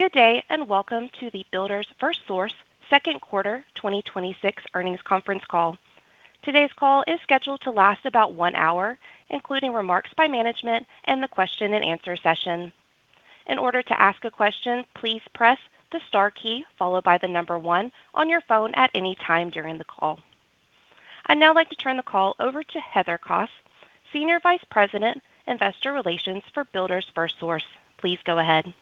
Good day, and welcome to the Builders FirstSource second quarter 2026 earnings conference call. Today's call is scheduled to last about one hour, including remarks by management and the question and answer session. In order to ask a question, please press the star key followed by the number one on your phone at any time during the call. I'd now like to turn the call over to Heather Kos, Senior Vice President, Investor Relations for Builders FirstSource. Please go ahead.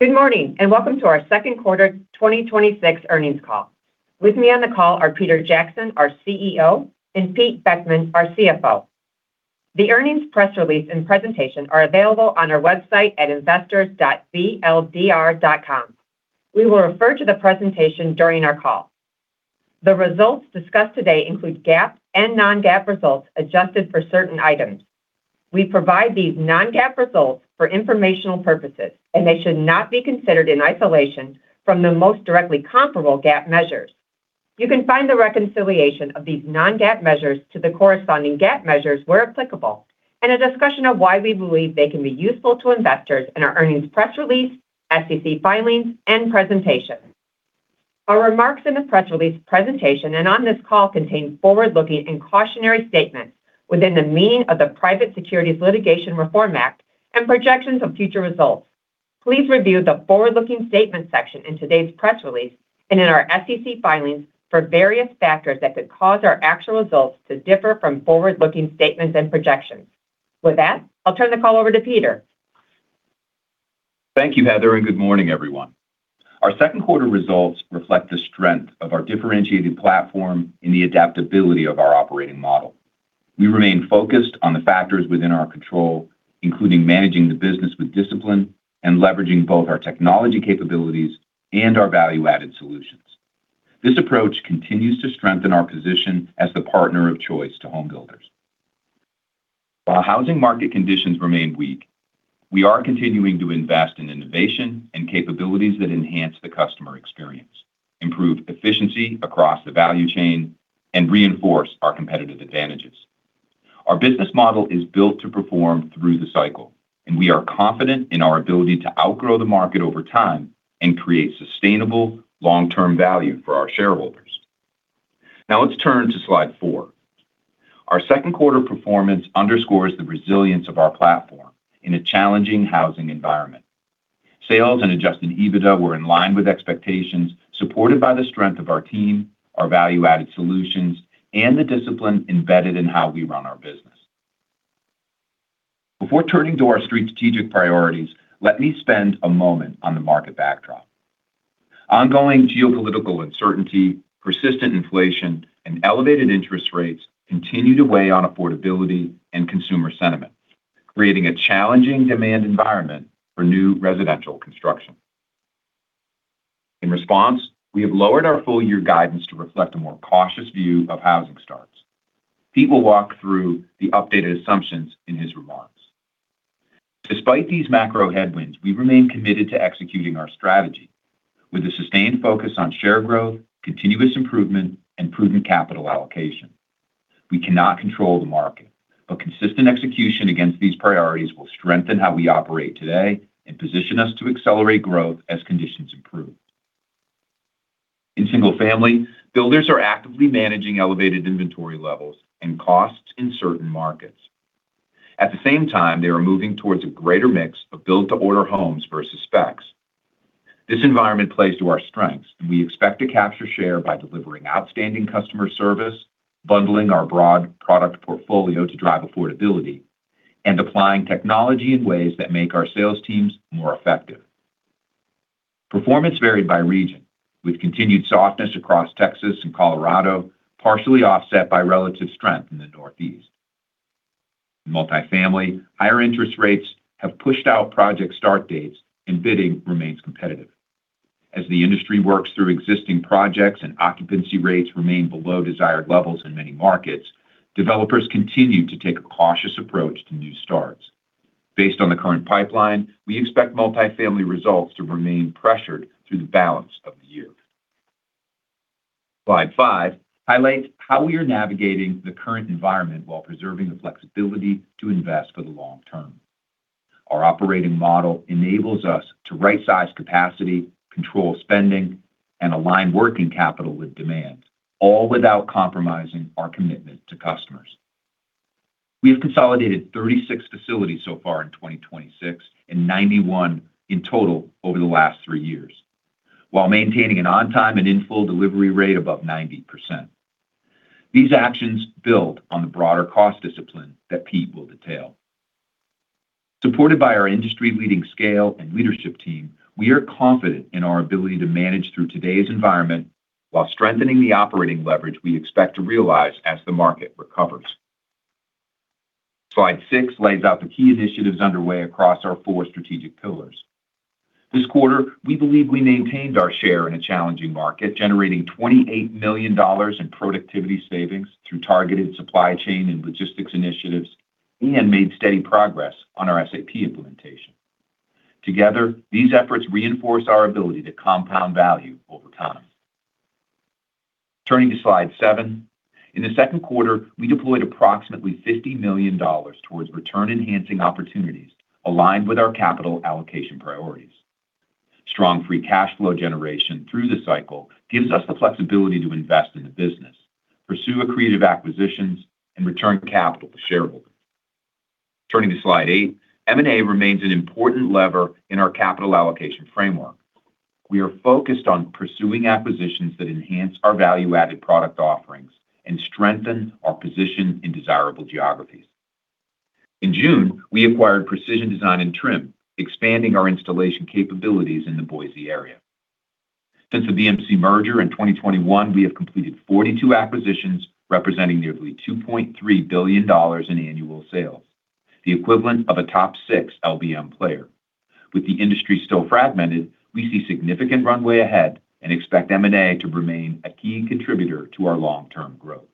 Good morning. Welcome to our second quarter 2026 earnings call. With me on the call are Peter Jackson, our CEO, and Pete Beckmann, our CFO. The earnings press release and presentation are available on our website at investors.bldr.com. We will refer to the presentation during our call. The results discussed today include GAAP and non-GAAP results adjusted for certain items. We provide these non-GAAP results for informational purposes, and they should not be considered in isolation from the most directly comparable GAAP measures. You can find the reconciliation of these non-GAAP measures to the corresponding GAAP measures where applicable, and a discussion of why we believe they can be useful to investors in our earnings press release, SEC filings, and presentation. Our remarks in the press release presentation and on this call contain forward-looking and cautionary statements within the meaning of the Private Securities Litigation Reform Act and projections of future results. Please review the forward-looking statement section in today's press release and in our SEC filings for various factors that could cause our actual results to differ from forward-looking statements and projections. With that, I'll turn the call over to Peter. Thank you, Heather. Good morning, everyone. Our second quarter results reflect the strength of our differentiated platform and the adaptability of our operating model. We remain focused on the factors within our control, including managing the business with discipline and leveraging both our technology capabilities and our value-added solutions. This approach continues to strengthen our position as the partner of choice to home builders. While housing market conditions remain weak, we are continuing to invest in innovation and capabilities that enhance the customer experience, improve efficiency across the value chain, and reinforce our competitive advantages. Our business model is built to perform through the cycle, and we are confident in our ability to outgrow the market over time and create sustainable long-term value for our shareholders. Now, let's turn to slide four. Our second quarter performance underscores the resilience of our platform in a challenging housing environment. Sales and adjusted EBITDA were in line with expectations, supported by the strength of our team, our value-added solutions, and the discipline embedded in how we run our business. Before turning to our strategic priorities, let me spend a moment on the market backdrop. Ongoing geopolitical uncertainty, persistent inflation, and elevated interest rates continue to weigh on affordability and consumer sentiment, creating a challenging demand environment for new residential construction. In response, we have lowered our full-year guidance to reflect a more cautious view of housing starts. Pete will walk through the updated assumptions in his remarks. Despite these macro headwinds, we remain committed to executing our strategy with a sustained focus on share growth, continuous improvement, and prudent capital allocation. We cannot control the market, but consistent execution against these priorities will strengthen how we operate today and position us to accelerate growth as conditions improve. In single family, builders are actively managing elevated inventory levels and costs in certain markets. At the same time, they are moving towards a greater mix of build-to-order homes versus specs. This environment plays to our strengths, and we expect to capture share by delivering outstanding customer service, bundling our broad product portfolio to drive affordability, and applying technology in ways that make our sales teams more effective. Performance varied by region, with continued softness across Texas and Colorado, partially offset by relative strength in the Northeast. In multifamily, higher interest rates have pushed out project start dates and bidding remains competitive. As the industry works through existing projects and occupancy rates remain below desired levels in many markets, developers continue to take a cautious approach to new starts. Based on the current pipeline, we expect multifamily results to remain pressured through the balance of the year. Slide five highlights how we are navigating the current environment while preserving the flexibility to invest for the long term. Our operating model enables us to right-size capacity, control spending, and align working capital with demand, all without compromising our commitment to customers. We have consolidated 36 facilities so far in 2026 and 91 in total over the last three years while maintaining an on-time and in-full delivery rate above 90%. These actions build on the broader cost discipline that Pete will detail. Supported by our industry-leading scale and leadership team, we are confident in our ability to manage through today's environment while strengthening the operating leverage we expect to realize as the market recovers. Slide six lays out the key initiatives underway across our four strategic pillars. This quarter, we believe we maintained our share in a challenging market, generating $28 million in productivity savings through targeted supply chain and logistics initiatives, and made steady progress on our SAP implementation. Together, these efforts reinforce our ability to compound value over time. Turning to slide seven. In the second quarter, we deployed approximately $50 million towards return-enhancing opportunities aligned with our capital allocation priorities. Strong free cash flow generation through the cycle gives us the flexibility to invest in the business, pursue accretive acquisitions, and return capital to shareholders. Turning to slide eight. M&A remains an important lever in our capital allocation framework. We are focused on pursuing acquisitions that enhance our value-added product offerings and strengthen our position in desirable geographies. In June, we acquired Precision Design and Trim, expanding our installation capabilities in the Boise area. Since the BMC merger in 2021, we have completed 42 acquisitions, representing nearly $2.3 billion in annual sales, the equivalent of a top six LBM player. With the industry still fragmented, we see significant runway ahead and expect M&A to remain a key contributor to our long-term growth.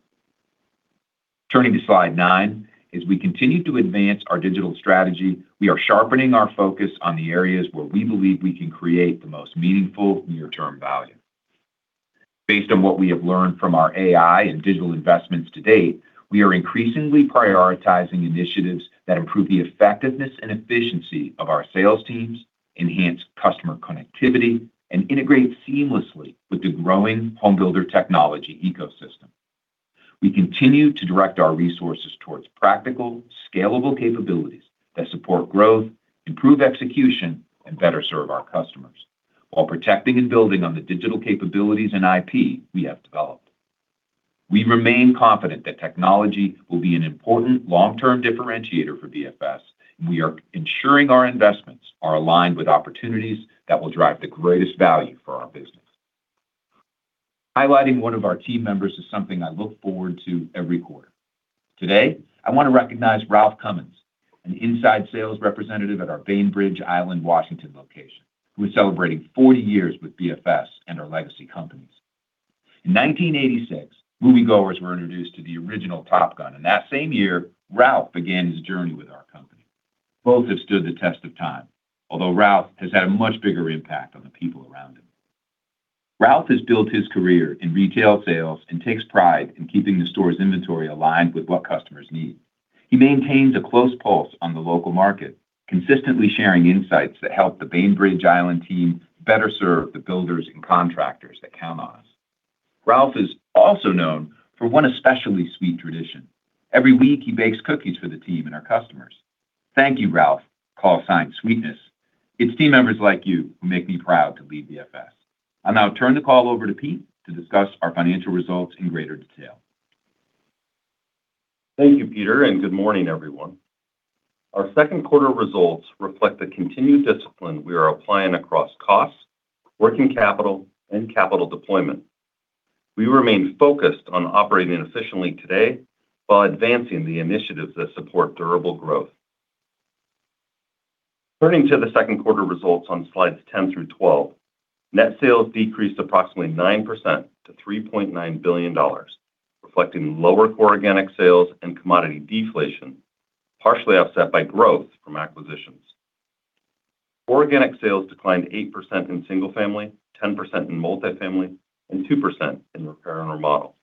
Turning to slide nine. As we continue to advance our digital strategy, we are sharpening our focus on the areas where we believe we can create the most meaningful near-term value. Based on what we have learned from our AI and digital investments to date, we are increasingly prioritizing initiatives that improve the effectiveness and efficiency of our sales teams, enhance customer connectivity, and integrate seamlessly with the growing home builder technology ecosystem. We continue to direct our resources towards practical, scalable capabilities that support growth, improve execution, and better serve our customers, while protecting and building on the digital capabilities and IP we have developed. We remain confident that technology will be an important long-term differentiator for BFS, and we are ensuring our investments are aligned with opportunities that will drive the greatest value for our business. Highlighting one of our team members is something I look forward to every quarter. Today, I want to recognize Ralph Cummins, an inside sales representative at our Bainbridge Island, Washington location, who is celebrating 40 years with BFS and our legacy companies. In 1986, moviegoers were introduced to the original "Top Gun," and that same year, Ralph began his journey with our company. Both have stood the test of time, although Ralph has had a much bigger impact on the people around him. Ralph has built his career in retail sales and takes pride in keeping the store's inventory aligned with what customers need. He maintains a close pulse on the local market, consistently sharing insights that help the Bainbridge Island team better serve the builders and contractors that count on us. Ralph is also known for one especially sweet tradition. Every week, he bakes cookies for the team and our customers. Thank you, Ralph, call sign Sweetness. It's team members like you who make me proud to lead BFS. I'll now turn the call over to Pete to discuss our financial results in greater detail. Thank you, Peter, and good morning, everyone. Our second quarter results reflect the continued discipline we are applying across costs, working capital, and capital deployment. We remain focused on operating efficiently today while advancing the initiatives that support durable growth. Turning to the second quarter results on slides 10 through 12. Net sales decreased approximately 9% to $3.9 billion, reflecting lower core organic sales and commodity deflation, partially offset by growth from acquisitions. Core organic sales declined 8% in single family, 10% in multifamily, and 2% in repair and remodel.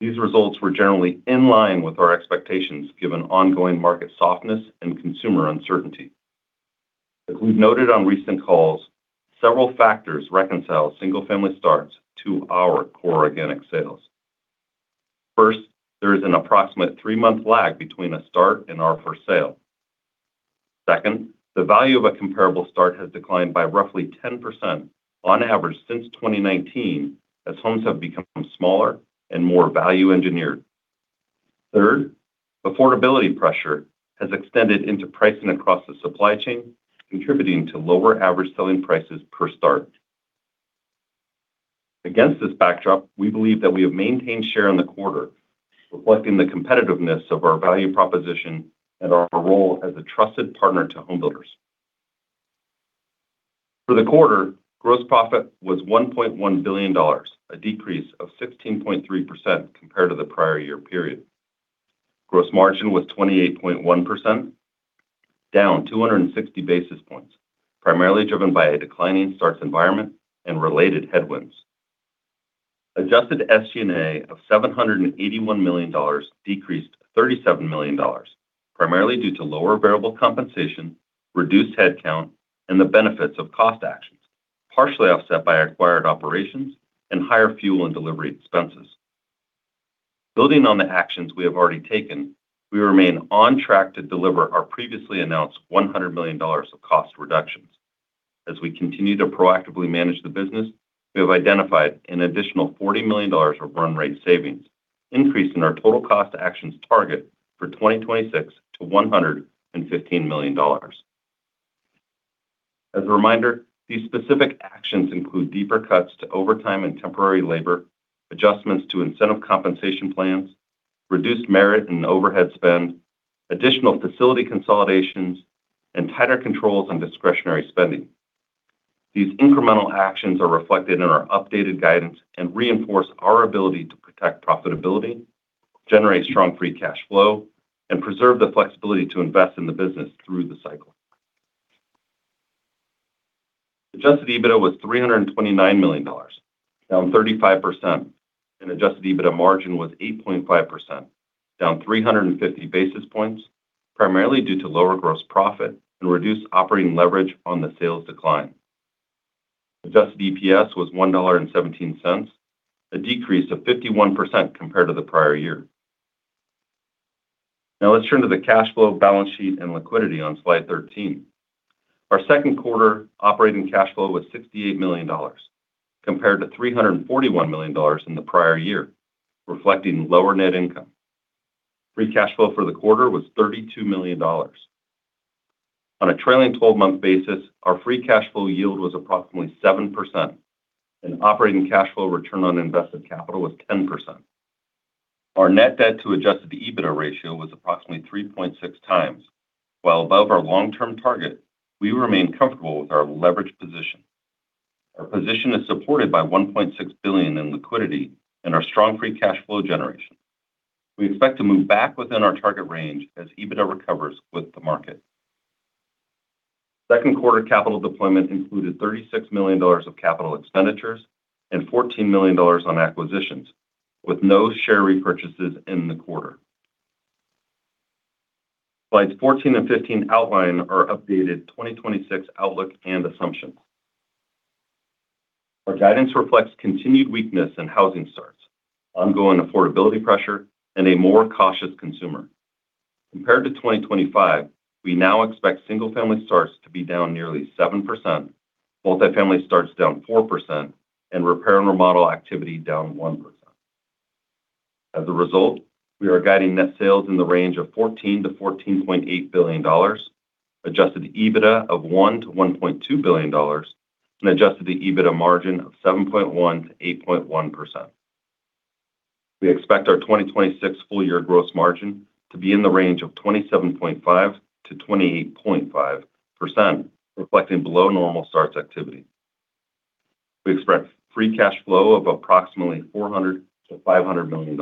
These results were generally in line with our expectations, given ongoing market softness and consumer uncertainty. As we've noted on recent calls, several factors reconcile single family starts to our sales. First, there is an approximate three-month lag between a start and our for sale. Second, the value of a comparable start has declined by roughly 10% on average since 2019 as homes have become smaller and more value engineered. Third, affordability pressure has extended into pricing across the supply chain, contributing to lower average selling prices per start. Against this backdrop, we believe that we have maintained share in the quarter, reflecting the competitiveness of our value proposition and our role as a trusted partner to home builders. For the quarter, gross profit was $1.1 billion, a decrease of 16.3% compared to the prior year period. Gross margin was 28.1%, down 260 basis points, primarily driven by a declining starts environment and related headwinds. Adjusted SG&A of $781 million, decreased $37 million, primarily due to lower variable compensation, reduced headcount, and the benefits of cost actions, partially offset by acquired operations and higher fuel and delivery expenses. Building on the actions we have already taken, we remain on track to deliver our previously announced $100 million of cost reductions. As we continue to proactively manage the business, we have identified an additional $40 million of run rate savings, increasing our total cost actions target for 2026 to $115 million. As a reminder, these specific actions include deeper cuts to overtime and temporary labor, adjustments to incentive compensation plans, reduced merit and overhead spend, additional facility consolidations, and tighter controls on discretionary spending. These incremental actions are reflected in our updated guidance and reinforce our ability to protect profitability, generate strong free cash flow, and preserve the flexibility to invest in the business through the cycle. Adjusted EBITDA was $329 million, down 35%, and adjusted EBITDA margin was 8.5%, down 350 basis points, primarily due to lower gross profit and reduced operating leverage on the sales decline. Adjusted EPS was $1.17, a decrease of 51% compared to the prior year. Now let's turn to the cash flow balance sheet and liquidity on slide 13. Our second quarter operating cash flow was $68 million, compared to $341 million in the prior year, reflecting lower net income. Free cash flow for the quarter was $32 million. On a trailing 12-month basis, our free cash flow yield was approximately 7%, and operating cash flow return on invested capital was 10%. Our net debt to adjusted EBITDA ratio was approximately 3.6 times. While above our long-term target, we remain comfortable with our leverage position. Our position is supported by $1.6 billion in liquidity and our strong free cash flow generation. We expect to move back within our target range as EBITDA recovers with the market. Second quarter capital deployment included $36 million of capital expenditures and $14 million on acquisitions, with no share repurchases in the quarter. Slides 14 and 15 outline our updated 2026 outlook and assumptions. Our guidance reflects continued weakness in housing starts, ongoing affordability pressure, and a more cautious consumer. Compared to 2025, we now expect single-family starts to be down nearly 7%, multifamily starts down 4%, and repair and remodel activity down 1%. As a result, we are guiding net sales in the range of $14 billion-$14.8 billion, adjusted EBITDA of $1 billion-$1.2 billion, and adjusted EBITDA margin of 7.1%-8.1%. We expect our 2026 full year gross margin to be in the range of 27.5%-28.5%, reflecting below normal starts activity. We expect free cash flow of approximately $400 million-$500 million.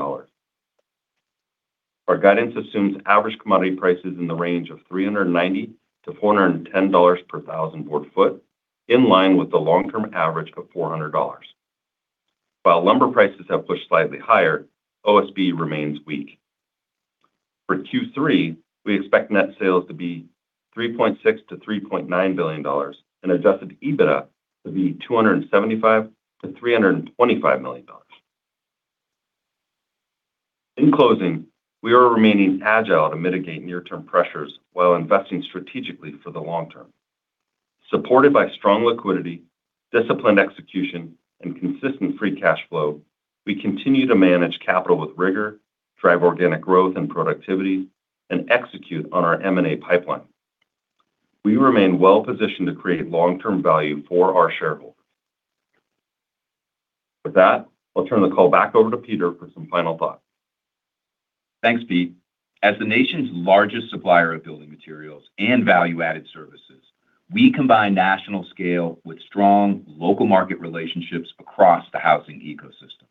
Our guidance assumes average commodity prices in the range of $390-$410 per thousand board feet, in line with the long-term average of $400. While lumber prices have pushed slightly higher, OSB remains weak. For Q3, we expect net sales to be $3.6 billion-$3.9 billion and adjusted EBITDA to be $275 million-$325 million. In closing, we are remaining agile to mitigate near-term pressures while investing strategically for the long term. Supported by strong liquidity, disciplined execution, and consistent free cash flow, we continue to manage capital with rigor, drive organic growth and productivity, and execute on our M&A pipeline. We remain well-positioned to create long-term value for our shareholders. With that, I'll turn the call back over to Peter for some final thoughts. Thanks, Pete. As the nation's largest supplier of building materials and value-added services, we combine national scale with strong local market relationships across the housing ecosystem.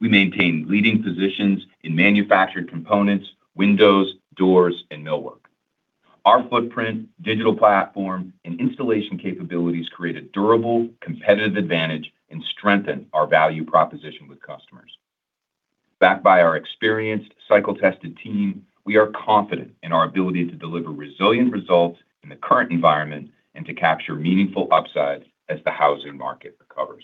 We maintain leading positions in manufactured components, windows, doors, and millwork. Our footprint, digital platform, and installation capabilities create a durable competitive advantage and strengthen our value proposition with customers. Backed by our experienced cycle-tested team, we are confident in our ability to deliver resilient results in the current environment and to capture meaningful upsides as the housing market recovers.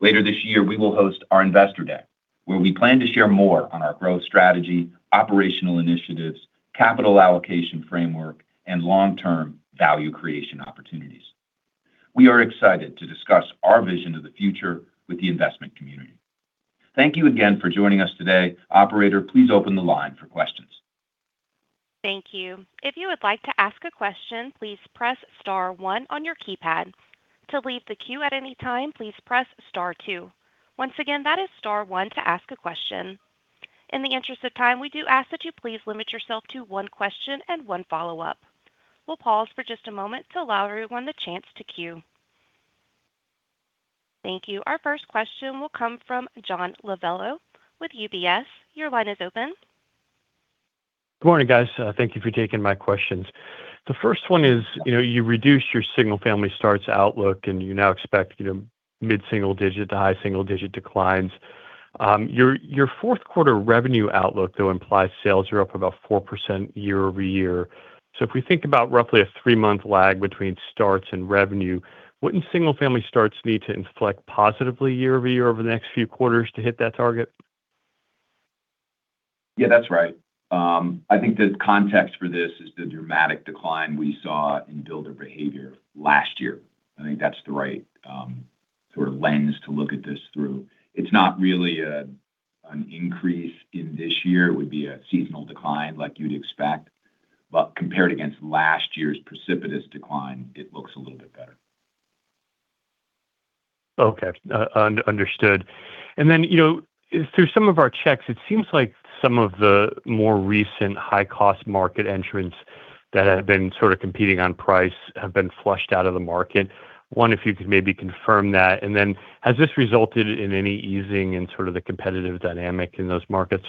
Later this year, we will host our Investor Day, where we plan to share more on our growth strategy, operational initiatives, capital allocation framework, and long-term value creation opportunities. We are excited to discuss our vision of the future with the investment community. Thank you again for joining us today. Operator, please open the line for questions. Thank you. If you would like to ask a question, please press star one on your keypad. To leave the queue at any time, please press star two. Once again, that is star one to ask a question. In the interest of time, we do ask that you please limit yourself to one question and one follow-up. We'll pause for just a moment to allow everyone the chance to queue. Thank you. Our first question will come from John Lovallo with UBS. Your line is open. Good morning, guys. Thank you for taking my questions. The first one is, you reduced your single-family starts outlook, and you now expect mid-single-digit to high-single-digit declines. Your fourth quarter revenue outlook, though, implies sales are up about 4% year-over-year. If we think about roughly a three-month lag between starts and revenue, wouldn't single-family starts need to inflect positively year-over-year over the next few quarters to hit that target? That's right. I think the context for this is the dramatic decline we saw in builder behavior last year. I think that's the right sort of lens to look at this through. It's not really an increase in this year. It would be a seasonal decline like you'd expect, but compared against last year's precipitous decline, it looks a little bit better. Okay. Understood. Through some of our checks, it seems like some of the more recent high-cost market entrants that have been sort of competing on price have been flushed out of the market. One, if you could maybe confirm that, has this resulted in any easing in sort of the competitive dynamic in those markets?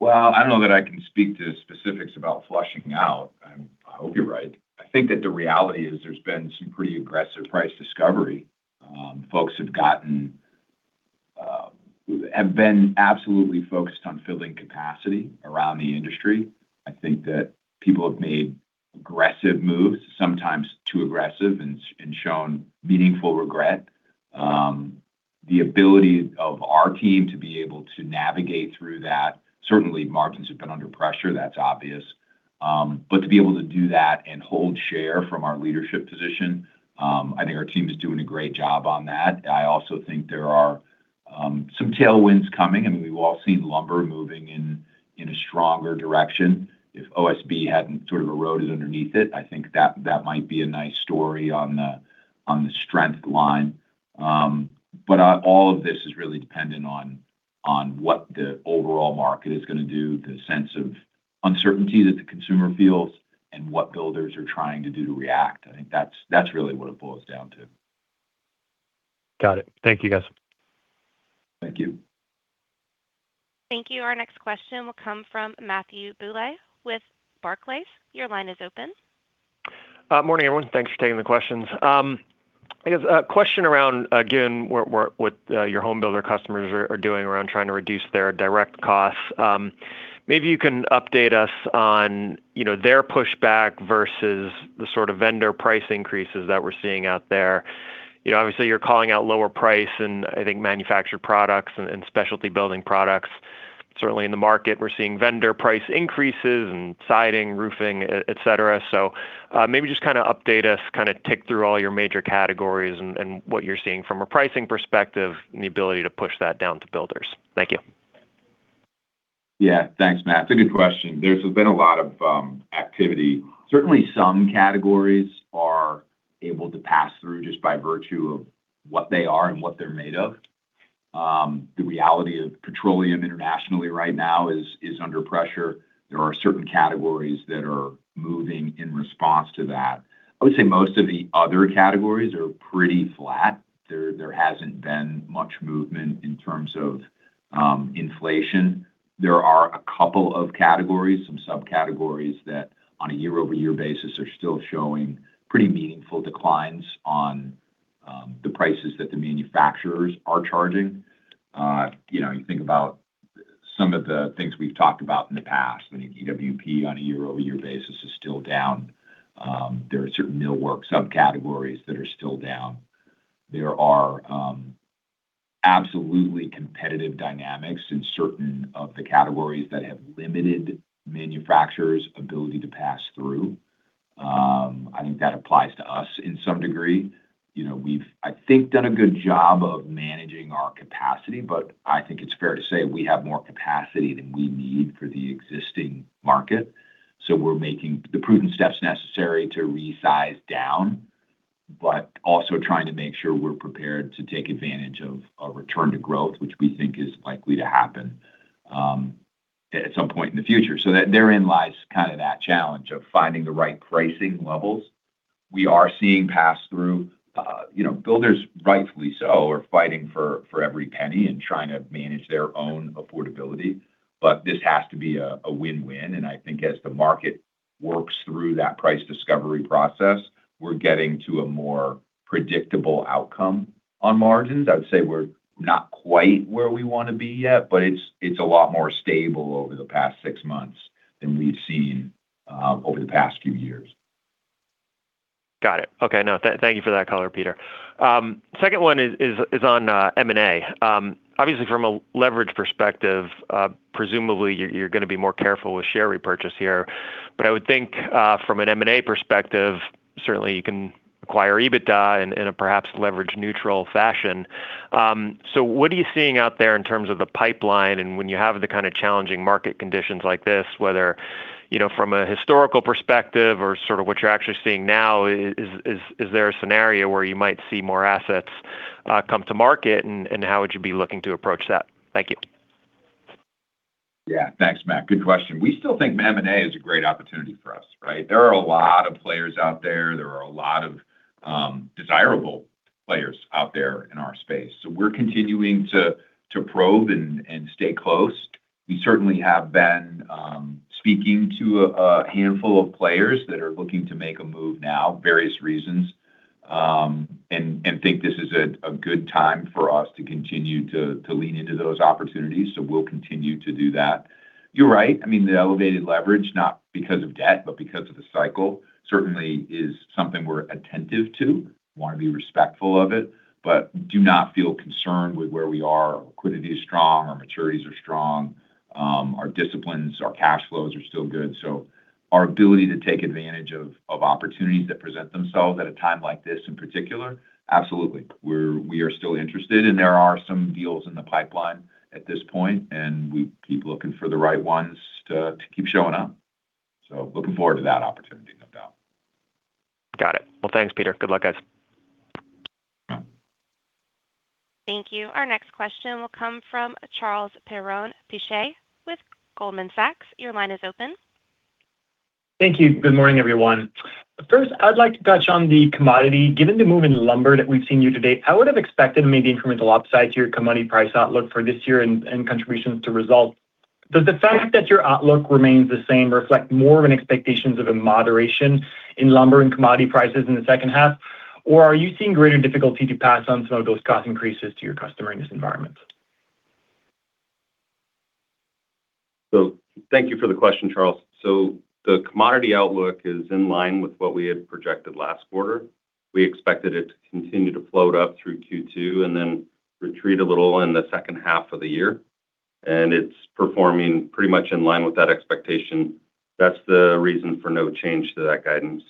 Well, I don't know that I can speak to specifics about flushing out. I hope you're right. I think that the reality is there's been some pretty aggressive price discovery. Folks have been absolutely focused on filling capacity around the industry. I think that people have made aggressive moves, sometimes too aggressive, and shown meaningful regret. The ability of our team to be able to navigate through that. Certainly, margins have been under pressure, that's obvious. To be able to do that and hold share from our leadership position, I think our team is doing a great job on that. I also think there are some tailwinds coming, and we've all seen lumber moving in a stronger direction. If OSB hadn't sort of eroded underneath it, I think that might be a nice story on the strength line. All of this is really dependent on what the overall market is going to do, the sense of uncertainty that the consumer feels, and what builders are trying to do to react. I think that's really what it boils down to. Got it. Thank you, guys. Thank you. Thank you. Our next question will come from Matthew Bouley with Barclays. Your line is open. Morning, everyone. Thanks for taking the questions. I guess a question around, again, what your home builder customers are doing around trying to reduce their direct costs. Maybe you can update us on their pushback versus the sort of vendor price increases that we're seeing out there. Obviously, you're calling out lower price in, I think, manufactured products and specialty building products. Certainly in the market, we're seeing vendor price increases in siding, roofing, et cetera. Maybe just kind of update us, kind of tick through all your major categories and what you're seeing from a pricing perspective and the ability to push that down to builders. Thank you. Thanks, Matt. It's a good question. There has been a lot of activity. Certainly, some categories are able to pass through just by virtue of what they are and what they're made of. The reality of petroleum internationally right now is under pressure. There are certain categories that are moving in response to that. I would say most of the other categories are pretty flat. There hasn't been much movement in terms of inflation. There are a couple of categories, some subcategories that, on a year-over-year basis, are still showing pretty meaningful declines on the prices that the manufacturers are charging. You think about some of the things we've talked about in the past. I think EWP, on a year-over-year basis, is still down. There are certain millwork subcategories that are still down. There are absolutely competitive dynamics in certain of the categories that have limited manufacturers' ability to pass through. I think that applies to us in some degree. We've, I think, done a good job of managing our capacity, but I think it's fair to say we have more capacity than we need for the existing market. We're making the prudent steps necessary to resize down, but also trying to make sure we're prepared to take advantage of a return to growth, which we think is likely to happen at some point in the future. Therein lies kind of that challenge of finding the right pricing levels. We are seeing pass-through. Builders, rightfully so, are fighting for every penny and trying to manage their own affordability. This has to be a win-win, and I think as the market works through that price discovery process, we're getting to a more predictable outcome on margins. I would say we're not quite where we want to be yet, but it's a lot more stable over the past six months than we've seen over the past few years. Got it. Okay. Thank you for that color, Peter. Second one is on M&A. Obviously, from a leverage perspective, presumably, you're going to be more careful with share repurchase here. I would think from an M&A perspective, certainly you can acquire EBITDA in a perhaps leverage-neutral fashion. What are you seeing out there in terms of the pipeline and when you have the kind of challenging market conditions like this, whether from a historical perspective or sort of what you're actually seeing now, is there a scenario where you might see more assets come to market, and how would you be looking to approach that? Thank you. Yeah. Thanks, Matt. Good question. We still think M&A is a great opportunity for us, right? There are a lot of players out there. There are a lot of desirable players out there in our space. We're continuing to probe and stay close. We certainly have been speaking to a handful of players that are looking to make a move now, various reasons, and think this is a good time for us to continue to lean into those opportunities. We'll continue to do that. You're right. The elevated leverage, not because of debt, but because of the cycle, certainly is something we're attentive to, want to be respectful of it, but do not feel concerned with where we are. Our liquidity is strong, our maturities are strong. Our disciplines, our cash flows are still good, our ability to take advantage of opportunities that present themselves at a time like this in particular, absolutely. We are still interested, there are some deals in the pipeline at this point, we keep looking for the right ones to keep showing up. Looking forward to that opportunity, no doubt. Got it. Well, thanks, Peter. Good luck, guys. Thank you. Our next question will come from Charles Perron-Piché with Goldman Sachs. Your line is open. Thank you. Good morning, everyone. First, I'd like to touch on the commodity. Given the move in lumber that we've seen year-to-date, I would've expected maybe incremental upside to your commodity price outlook for this year and contributions to results. Does the fact that your outlook remains the same reflect more of an expectation of a moderation in lumber and commodity prices in the second half, or are you seeing greater difficulty to pass on some of those cost increases to your customer in this environment? Thank you for the question, Charles. The commodity outlook is in line with what we had projected last quarter. We expected it to continue to float up through Q2 and then retreat a little in the second half of the year, and it's performing pretty much in line with that expectation. That's the reason for no change to that guidance.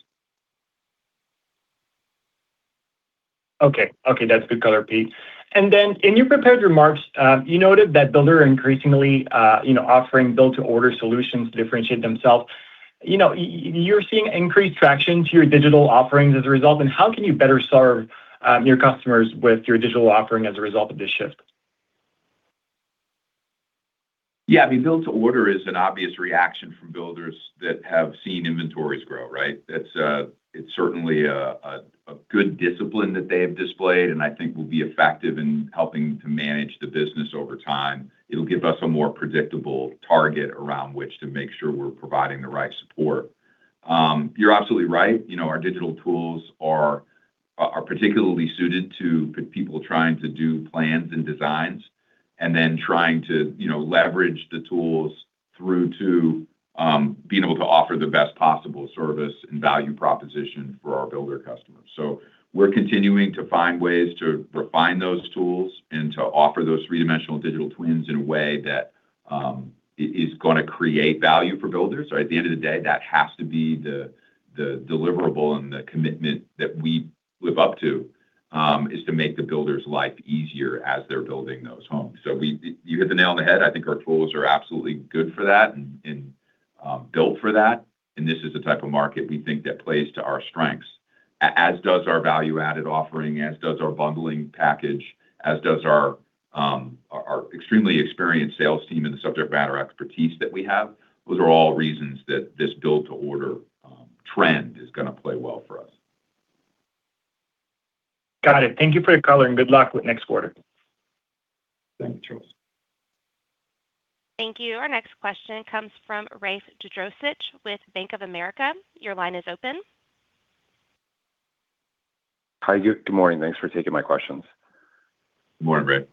Okay. That's good color, Pete. In your prepared remarks, you noted that builders are increasingly offering build-to-order solutions to differentiate themselves. You're seeing increased traction to your digital offerings as a result? How can you better serve your customers with your digital offering as a result of this shift? Yeah. Build-to-order is an obvious reaction from builders that have seen inventories grow, right? It's certainly a good discipline that they have displayed, and I think will be effective in helping to manage the business over time. It'll give us a more predictable target around which to make sure we're providing the right support. You're absolutely right. Our digital tools are particularly suited to people trying to do plans and designs, and then trying to leverage the tools through to being able to offer the best possible service and value proposition for our builder customers. We're continuing to find ways to refine those tools and to offer those three-dimensional digital twins in a way that is going to create value for builders, right? At the end of the day, that has to be the deliverable and the commitment that we live up to, is to make the builder's life easier as they're building those homes. You hit the nail on the head. I think our tools are absolutely good for that and built for that, and this is the type of market we think that plays to our strengths, as does our value-added offering, as does our bundling package, as does our extremely experienced sales team and the subject matter expertise that we have. Those are all reasons that this build to order trend is going to play well for us. Got it. Thank you for the color, good luck with next quarter. Thank you, Charles. Thank you. Our next question comes from Rafe Jadrosich with Bank of America. Your line is open. Hi, good morning. Thanks for taking my questions. Good morning, Rafe.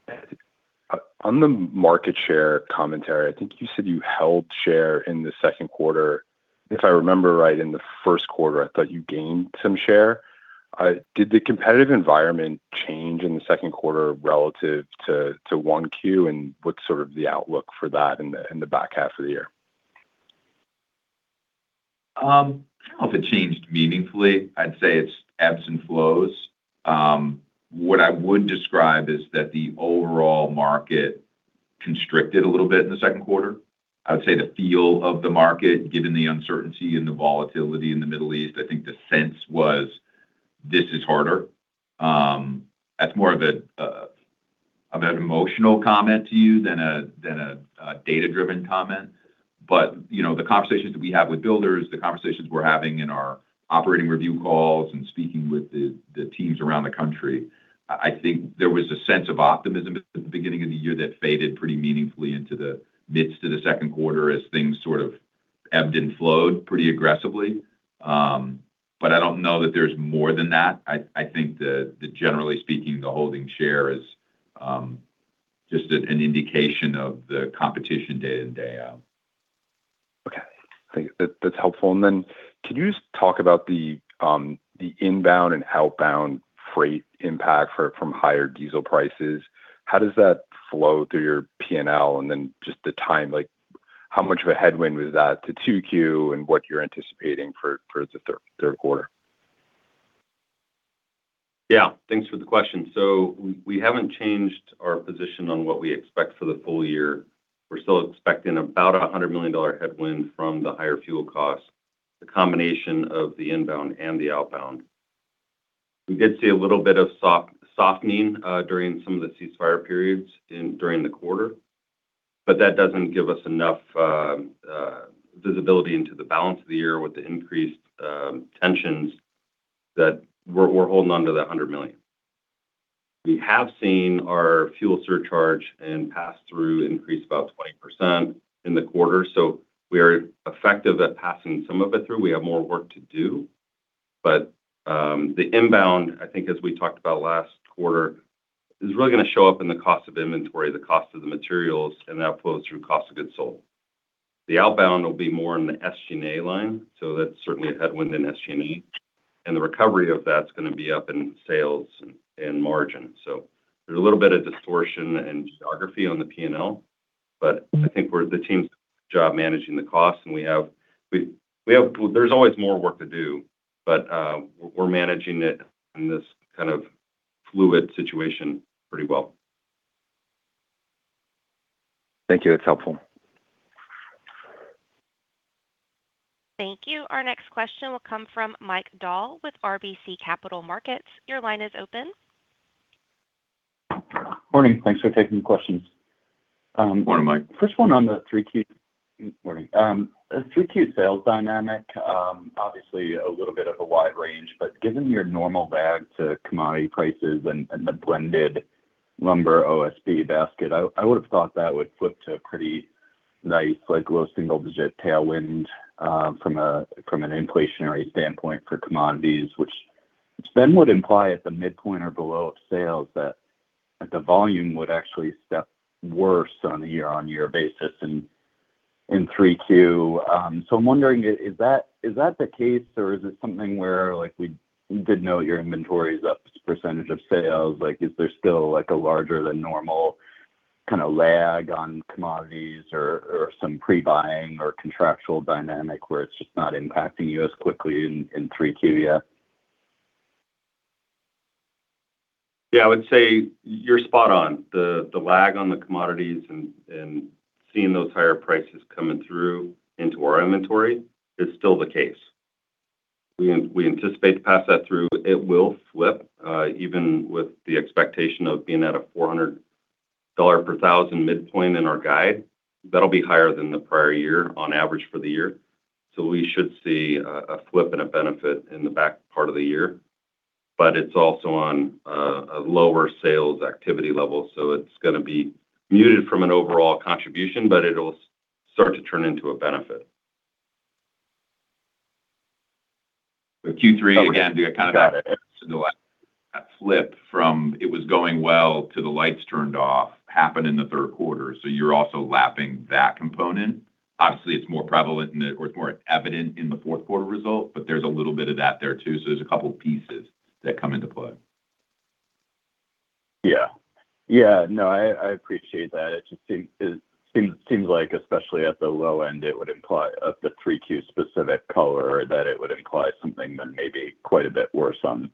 On the market share commentary, I think you said you held share in the second quarter. If I remember right, in the first quarter, I thought you gained some share. Did the competitive environment change in the second quarter relative to 1Q, and what's sort of the outlook for that in the back half of the year? I don't know if it changed meaningfully. I'd say it's ebbs and flows. What I would describe is that the overall market constricted a little bit in the second quarter. I would say the feel of the market, given the uncertainty and the volatility in the Middle East, I think the sense was, "This is harder." That's more of an emotional comment to you than a data-driven comment. The conversations that we have with builders, the conversations we're having in our operating review calls, and speaking with the teams around the country, I think there was a sense of optimism at the beginning of the year that faded pretty meaningfully into the midst of the second quarter as things sort of ebbed and flowed pretty aggressively. I don't know that there's more than that. I think that generally speaking, the holding share is just an indication of the competition day in, day out. Okay. I think that's helpful. Can you just talk about the inbound and outbound freight impact from higher diesel prices? How does that flow through your P&L? Just the time, how much of a headwind was that to 2Q, and what you're anticipating for the third quarter? Yeah. Thanks for the question. We haven't changed our position on what we expect for the full year. We're still expecting about $100 million headwind from the higher fuel cost, the combination of the inbound and the outbound. We did see a little bit of softening during some of the ceasefire periods during the quarter, but that doesn't give us enough visibility into the balance of the year with the increased tensions, that we're holding onto that $100 million. We have seen our fuel surcharge and pass-through increase about 20% in the quarter, so we are effective at passing some of it through. We have more work to do. The inbound, I think as we talked about last quarter, is really going to show up in the cost of inventory, the cost of the materials, and that flows through cost of goods sold. The outbound will be more in the SG&A line, that's certainly a headwind in SG&A. The recovery of that's going to be up in sales and margin. There's a little bit of distortion in geography on the P&L, I think the team's doing a good job managing the cost. There's always more work to do, we're managing it in this kind of fluid situation pretty well. Thank you. That's helpful. Thank you. Our next question will come from Mike Dahl with RBC Capital Markets. Your line is open. Morning. Thanks for taking questions. Morning, Mike. First one on the 3Q. Morning. 3Q sales dynamic, obviously a little bit of a wide range, but given your normal bag to commodity prices and the blended lumber OSB basket, I would've thought that would flip to a pretty nice low single-digit tailwind from an inflationary standpoint for commodities. Which then would imply at the midpoint or below of sales that the volume would actually step worse on a year-on-year basis in 3Q. I'm wondering, is that the case or is it something where we did note your inventory's up percentage of sales. Is there still a larger than normal lag on commodities or some pre-buying or contractual dynamic where it's just not impacting you as quickly in 3Q yet? Yeah, I would say you're spot on. The lag on the commodities and seeing those higher prices coming through into our inventory is still the case. We anticipate to pass that through. It will flip, even with the expectation of being at a $400 per thousand midpoint in our guide. That will be higher than the prior year on average for the year. We should see a flip and a benefit in the back part of the year. It's also on a lower sales activity level, so it's going to be muted from an overall contribution, but it will start to turn into a benefit. Q3 again. Got it. That flip from it was going well to the lights turned off happened in the third quarter, you're also lapping that component. Obviously, it's more prevalent and it was more evident in the fourth quarter result, there's a little bit of that there too. There's a couple pieces that come into play. I appreciate that. It just seems like especially at the low end, it would imply at the 3Q specific color that it would imply something then maybe quite a bit worse on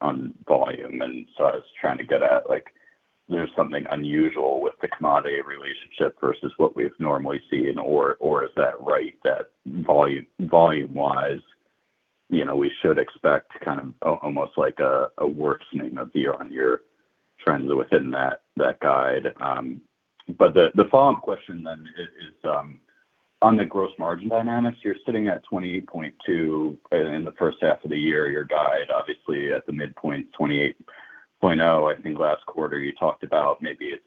volume. I was trying to get at there's something unusual with the commodity relationship versus what we've normally seen, or is that right, that volume-wise, we should expect almost like a worsening of year-over-year trends within that guide? The follow-up question then is on the gross margin dynamics. You're sitting at 28.2% in the first half of the year. Your guide, obviously at the midpoint 28.0%. I think last quarter you talked about maybe it's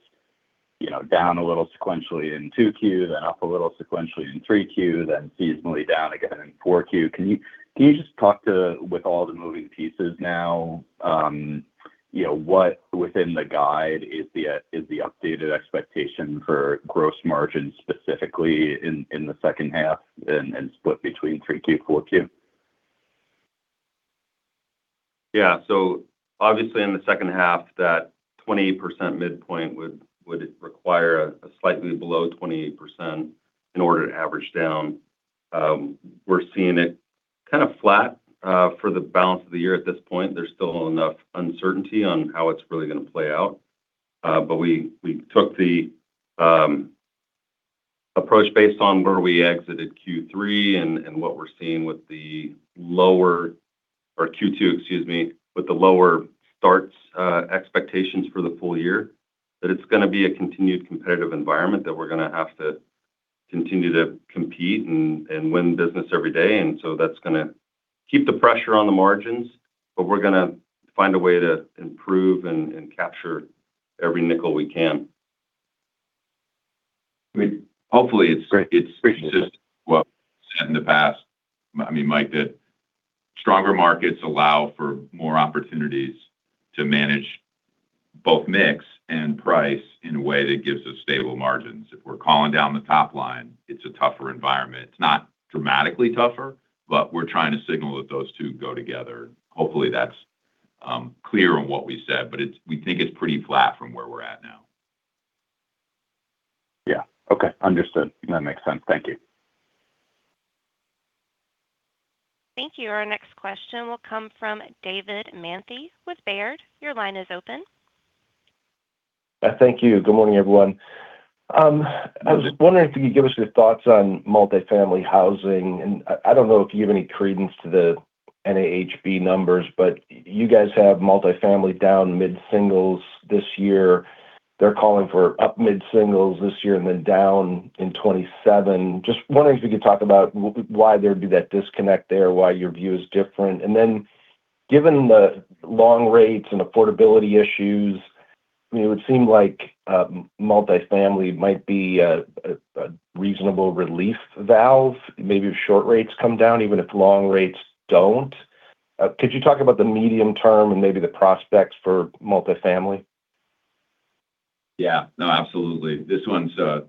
down a little sequentially in 2Q, then up a little sequentially in 3Q, then seasonally down again in 4Q. Can you just talk to, with all the moving pieces now, what within the guide is the updated expectation for gross margins specifically in the second half and split between 3Q, 4Q? Obviously in the second half, that 28% midpoint would require a slightly below 28% in order to average down. We're seeing it flat for the balance of the year at this point. There's still enough uncertainty on how it's really going to play out. We took the approach based on where we exited Q3 and what we're seeing with the lower Q2, excuse me, with the lower starts expectations for the full year. That it's going to be a continued competitive environment, that we're going to have to continue to compete and win business every day. That's going to keep the pressure on the margins, but we're going to find a way to improve and capture every nickel we can. Hopefully it's just what we said in the past. Mike, that stronger markets allow for more opportunities to manage both mix and price in a way that gives us stable margins. If we're calling down the top line, it's a tougher environment. It's not dramatically tougher, but we're trying to signal that those two go together. Hopefully that's clear on what we said, we think it's pretty flat from where we're at now. Yeah. Okay. Understood. That makes sense. Thank you. Thank you. Our next question will come from David Manthey with Baird. Your line is open. Thank you. Good morning, everyone. I was just wondering if you could give us your thoughts on multi-family housing. I don't know if you give any credence to the NAHB numbers, but you guys have multi-family down mid-singles this year. They're calling for up mid-singles this year and then down in 2027. Just wondering if you could talk about why there'd be that disconnect there, why your view is different. Given the long rates and affordability issues, it would seem like multi-family might be a reasonable relief valve. Maybe if short rates come down, even if long rates don't. Could you talk about the medium term and maybe the prospects for multi-family? Yeah. No, absolutely. This one's a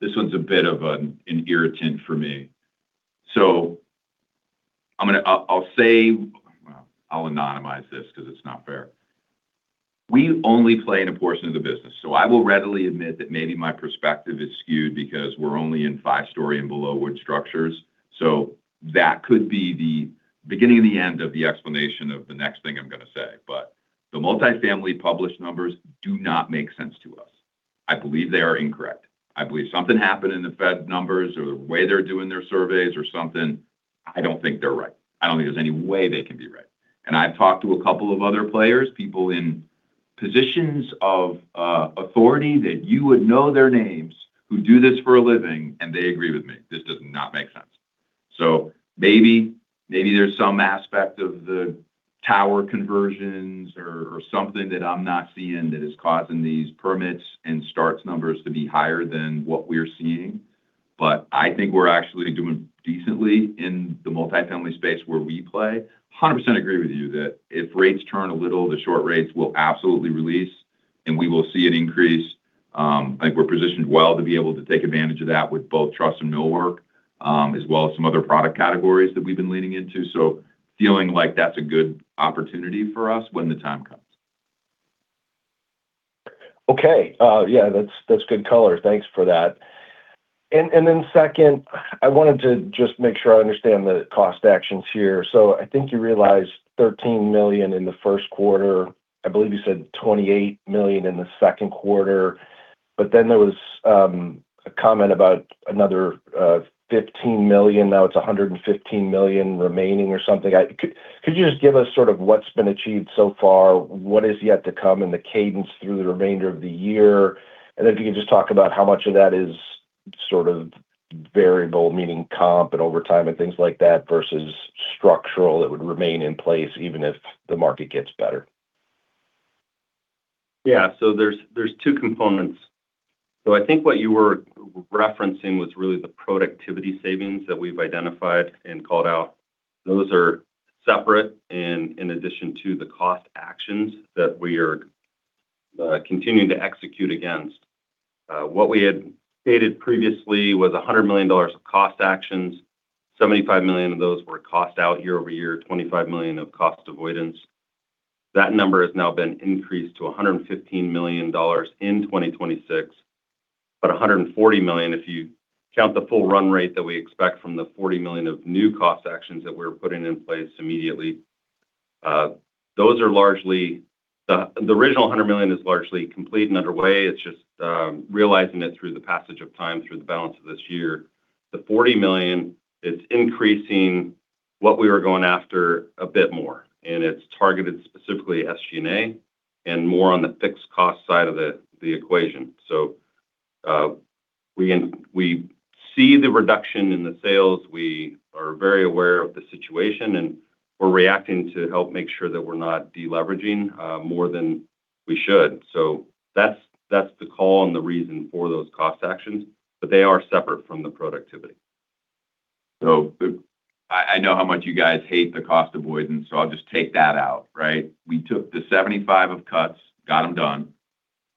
bit of an irritant for me. I'll anonymize this because it's not fair. We only play in a portion of the business, I will readily admit that maybe my perspective is skewed because we're only in five-story and below wood structures. That could be the beginning of the end of the explanation of the next thing I'm going to say. The multi-family published numbers do not make sense to us. I believe they are incorrect. I believe something happened in the Fed numbers or the way they're doing their surveys or something, I don't think they're right. I don't think there's any way they can be right. I've talked to a couple of other players, people in positions of authority that you would know their names, who do this for a living, and they agree with me. This does not make sense. Maybe there's some aspect of the tower conversions or something that I'm not seeing that is causing these permits and starts numbers to be higher than what we're seeing. I think we're actually doing decently in the multifamily space where we play. 100% agree with you that if rates turn a little, the short rates will absolutely release, and we will see an increase. I think we're positioned well to be able to take advantage of that with both truss and millwork, as well as some other product categories that we've been leaning into. Feeling like that's a good opportunity for us when the time comes. Okay. Yeah. That's good color. Thanks for that. Second, I wanted to just make sure I understand the cost actions here. I think you realized $13 million in the first quarter. I believe you said $28 million in the second quarter. But then there was a comment about another $15 million. Now it's $115 million remaining or something. Could you just give us sort of what's been achieved so far, what is yet to come, and the cadence through the remainder of the year? If you could just talk about how much of that is sort of variable, meaning comp and overtime and things like that, versus structural that would remain in place even if the market gets better. Yeah. There's two components. I think what you were referencing was really the productivity savings that we've identified and called out. Those are separate and in addition to the cost actions that we are continuing to execute against. What we had stated previously was $100 million of cost actions. $75 million of those were cost out year-over-year, $25 million of cost avoidance. That number has now been increased to $115 million in 2026. $140 million if you count the full run rate that we expect from the $40 million of new cost actions that we're putting in place immediately. The original $100 million is largely complete and underway. It's just realizing it through the passage of time through the balance of this year. The $40 million, it is increasing what we were going after a bit more, and it is targeted specifically SG&A and more on the fixed cost side of the equation. We see the reduction in the sales. We are very aware of the situation, and we are reacting to help make sure that we are not deleveraging more than we should. That is the call and the reason for those cost actions, but they are separate from the productivity. I know how much you guys hate the cost avoidance, so I will just take that out, right? We took the $75 million of cuts, got them done.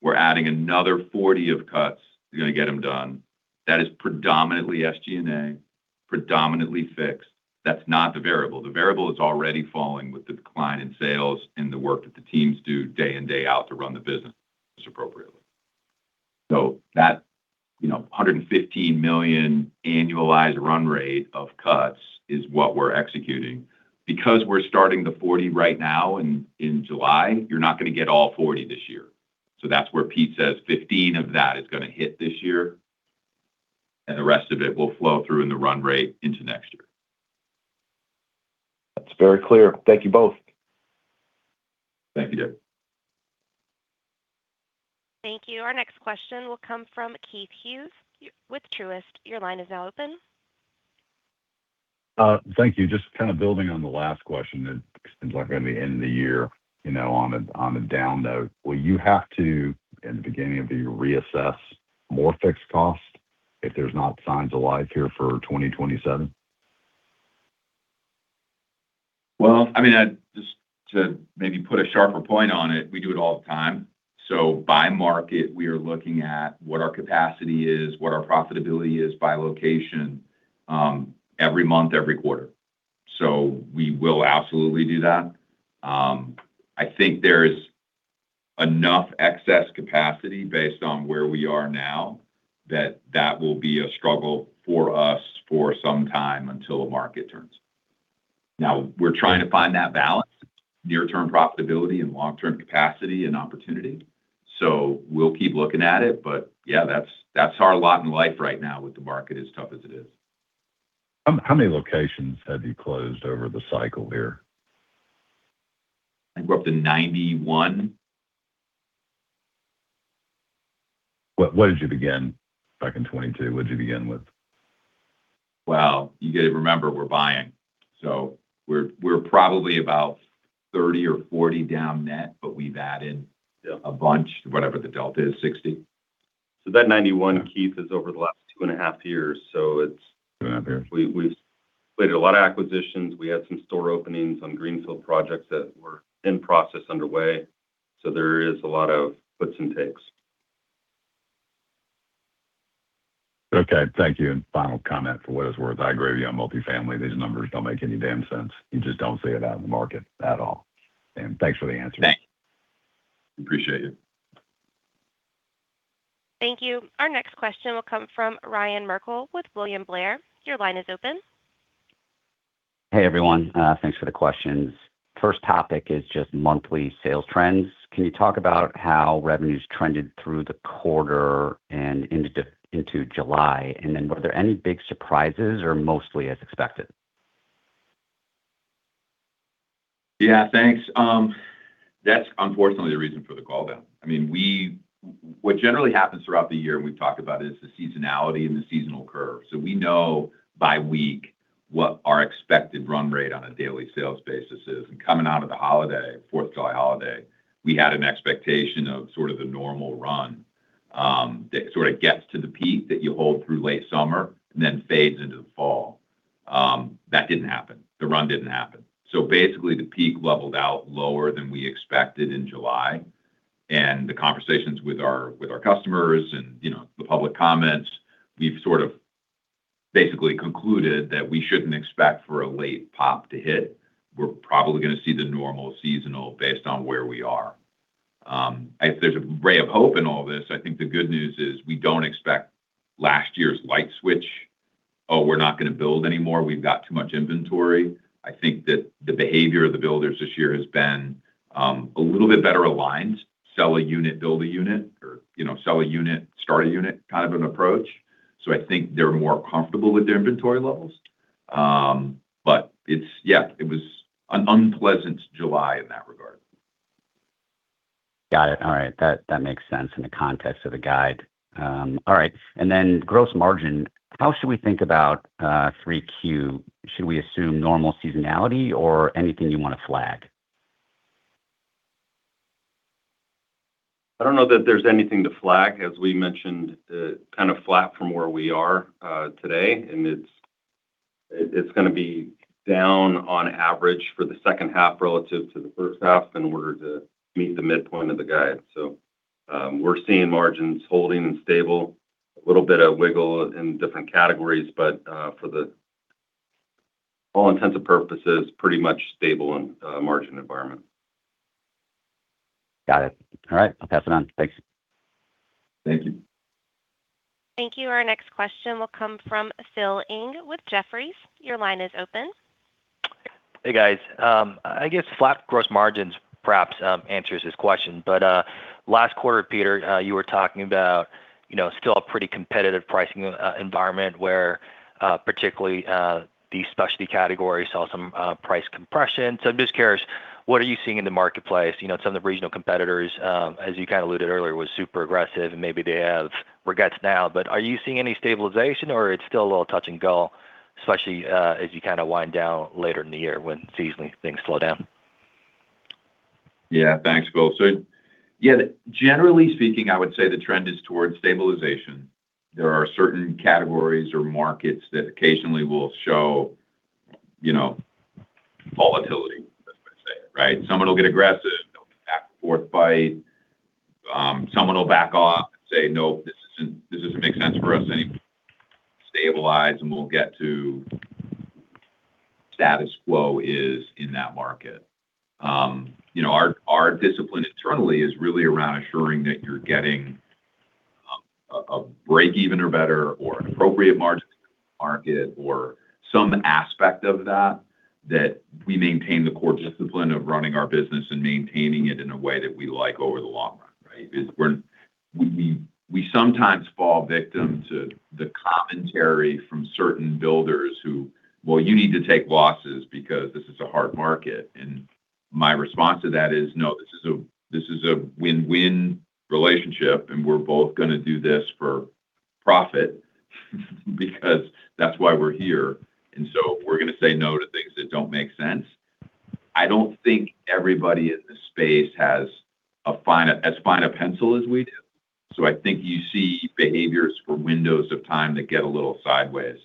We are adding another $40 million of cuts. We are going to get them done. That is predominantly SG&A, predominantly fixed. That is not the variable. The variable is already falling with the decline in sales and the work that the teams do day in, day out to run the business appropriately. That $115 million annualized run rate of cuts is what we are executing. Because we are starting the $40 right now in July, you are not going to get all $40 this year. That is where Pete says $15 of that is going to hit this year, and the rest of it will flow through in the run rate into next year. That is very clear. Thank you both. Thank you, David. Thank you. Our next question will come from Keith Hughes with Truist. Your line is now open. Thank you. Just kind of building on the last question that seems like by the end of the year, on a down note, will you have to, in the beginning of the year, reassess more fixed cost if there's not signs of life here for 2027? Well, just to maybe put a sharper point on it, we do it all the time. By market, we are looking at what our capacity is, what our profitability is by location, every month, every quarter. We will absolutely do that. I think there's enough excess capacity based on where we are now that that will be a struggle for us for some time until the market turns. Now we're trying to find that balance, near-term profitability and long-term capacity and opportunity. We'll keep looking at it. Yeah, that's our lot in life right now with the market as tough as it is. How many locations have you closed over the cycle here? I think we're up to 91. What did you begin back in 2022? What did you begin with? Well, you got to remember, we're buying. We're probably about 30 or 40 down net, but we've added a bunch. Whatever the delta is, 60. That 91, Keith, is over the last two and a half years. Two and a half years. We've completed a lot of acquisitions. We had some store openings on greenfield projects that were in process underway. There is a lot of puts and takes. Okay. Thank you. Final comment, for what it's worth, I agree with you on multifamily. These numbers don't make any damn sense. You just don't see it out in the market at all. Thanks for the answers. Thanks. Appreciate it. Thank you. Our next question will come from Ryan Merkel with William Blair. Your line is open. Hey, everyone. Thanks for the questions. First topic is just monthly sales trends. Can you talk about how revenues trended through the quarter and into July? Were there any big surprises or mostly as expected? Thanks. That's unfortunately the reason for the call down. What generally happens throughout the year, and we've talked about it, is the seasonality and the seasonal curve. We know by week what our expected run rate on a daily sales basis is. Coming out of the holiday, Fourth of July holiday, we had an expectation of sort of the normal run, that sort of gets to the peak that you hold through late summer and then fades into the fall. That didn't happen. The run didn't happen. Basically, the peak leveled out lower than we expected in July. The conversations with our customers and the public comments, we've sort of basically concluded that we shouldn't expect for a late pop to hit. We're probably going to see the normal seasonal based on where we are. If there's a ray of hope in all this, I think the good news is we don't expect last year's light switch. We're not going to build anymore, we've got too much inventory. I think that the behavior of the builders this year has been a little bit better aligned. Sell a unit, build a unit, or sell a unit, start a unit kind of an approach. I think they're more comfortable with their inventory levels. It was an unpleasant July in that regard. Got it. All right. That makes sense in the context of the guide. All right, then gross margin, how should we think about 3Q? Should we assume normal seasonality or anything you want to flag? I don't know that there's anything to flag. As we mentioned, kind of flat from where we are today, it's going to be down on average for the second half relative to the first half in order to meet the midpoint of the guide. We're seeing margins holding and stable. A little bit of wiggle in different categories, but for all intents and purposes, pretty much stable in a margin environment. Got it. All right, I'll pass it on. Thanks. Thank you. Thank you. Our next question will come from Phil Ng with Jefferies. Your line is open. Hey, guys. I guess flat gross margins perhaps answers this question, but last quarter, Peter, you were talking about still a pretty competitive pricing environment where particularly the specialty category saw some price compression. I'm just curious, what are you seeing in the marketplace? Some of the regional competitors, as you kind of alluded earlier, was super aggressive and maybe they have regrets now, but are you seeing any stabilization or it's still a little touch and go, especially as you kind of wind down later in the year when seasonally things slow down? Yeah. Thanks, Phil. Yeah, generally speaking, I would say the trend is towards stabilization. There are certain categories or markets that occasionally will show volatility. That's the way to say it, right? Someone will get aggressive, they'll back-and-forth fight. Someone will back off and say, "No, this doesn't make sense for us anymore." Stabilize, we'll get to status quo is in that market. Our discipline internally is really around assuring that you're getting a breakeven or better, or an appropriate margin market, or some aspect of that we maintain the core discipline of running our business and maintaining it in a way that we like over the long run. Right? We sometimes fall victim to the commentary from certain builders who, "Well, you need to take losses because this is a hard market." My response to that is, "No, this is a win-win relationship, and we're both going to do this for profit because that's why we're here." We're going to say no to things that don't make sense. I don't think everybody in this space has as fine a pencil as we do. I think you see behaviors for windows of time that get a little sideways.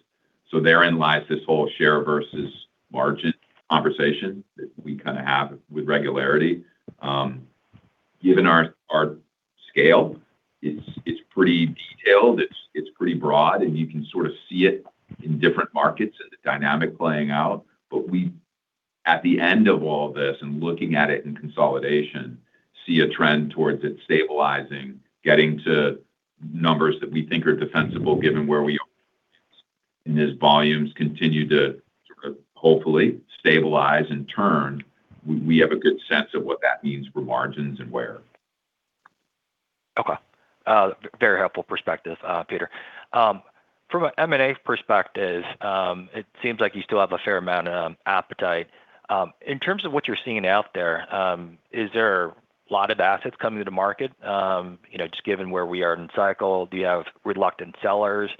Therein lies this whole share versus margin conversation that we kind of have with regularity. Given our scale, it's pretty detailed, it's pretty broad, and you can sort of see it in different markets and the dynamic playing out. We, at the end of all this and looking at it in consolidation, see a trend towards it stabilizing, getting to numbers that we think are defensible given where we are. As volumes continue to sort of hopefully stabilize and turn, we have a good sense of what that means for margins and where. Okay. Very helpful perspective, Peter. From an M&A perspective, it seems like you still have a fair amount of appetite. In terms of what you're seeing out there, is there a lot of assets coming to market? Just given where we are in cycle, do you have reluctant sellers?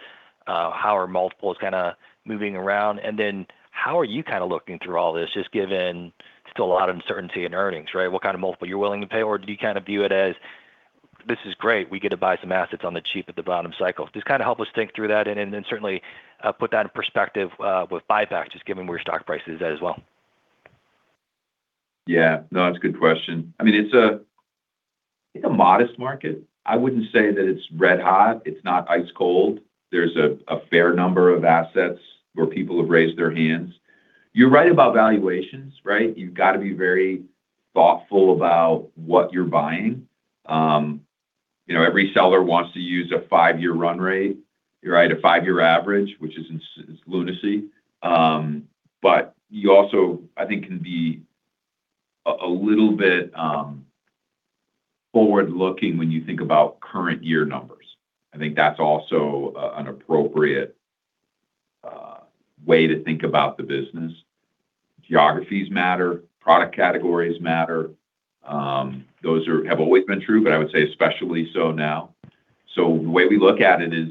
How are multiples kind of moving around? Then how are you kind of looking through all this, just given still a lot of uncertainty in earnings, right? What kind of multiple you're willing to pay, or do you kind of view it as, this is great, we get to buy some assets on the cheap at the bottom cycle. Just kind of help us think through that and then certainly put that in perspective with buybacks, just given where your stock price is at as well. Yeah. No, that's a good question. It's a modest market. I wouldn't say that it's red hot. It's not ice cold. There's a fair number of assets where people have raised their hands. You're right about valuations, right? You've got to be very thoughtful about what you're buying. Every seller wants to use a five-year run rate. You're right, a five-year average, which is lunacy. You also, I think, can be a little bit forward-looking when you think about current year numbers. I think that's also an appropriate way to think about the business. Geographies matter. Product categories matter. Those have always been true, but I would say especially so now. The way we look at it is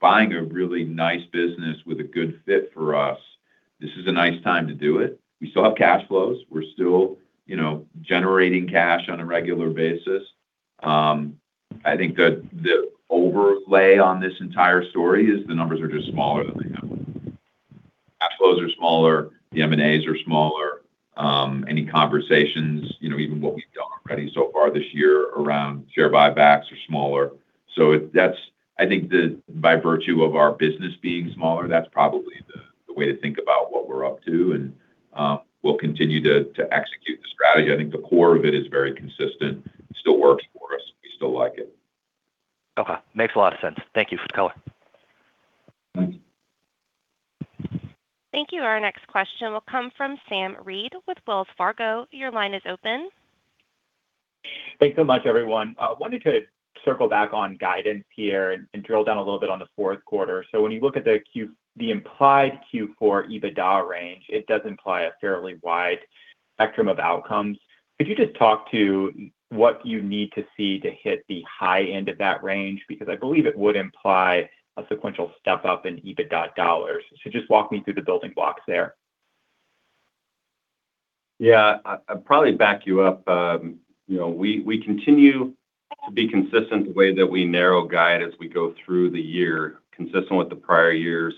buying a really nice business with a good fit for us, this is a nice time to do it. We still have cash flows. We're still generating cash on a regular basis. I think that the overlay on this entire story is the numbers are just smaller than they have been. Cash flows are smaller. The M&As are smaller. Any conversations, even what we've done already so far this year around share buybacks are smaller. I think by virtue of our business being smaller, that's probably the way to think about what we're up to, and we'll continue to execute the strategy. I think the core of it is very consistent. It still works for us. We still like it. Okay. Makes a lot of sense. Thank you for the color. Thank you. Thank you. Our next question will come from Sam Reid with Wells Fargo. Your line is open. Thanks so much, everyone. Wanted to circle back on guidance here and drill down a little bit on the fourth quarter. When you look at the implied Q4 EBITDA range, it does imply a fairly wide spectrum of outcomes. Could you just talk to what you need to see to hit the high end of that range? I believe it would imply a sequential step up in EBITDA dollars. Just walk me through the building blocks there. Yeah. I'd probably back you up. We continue to be consistent the way that we narrow guide as we go through the year, consistent with the prior years.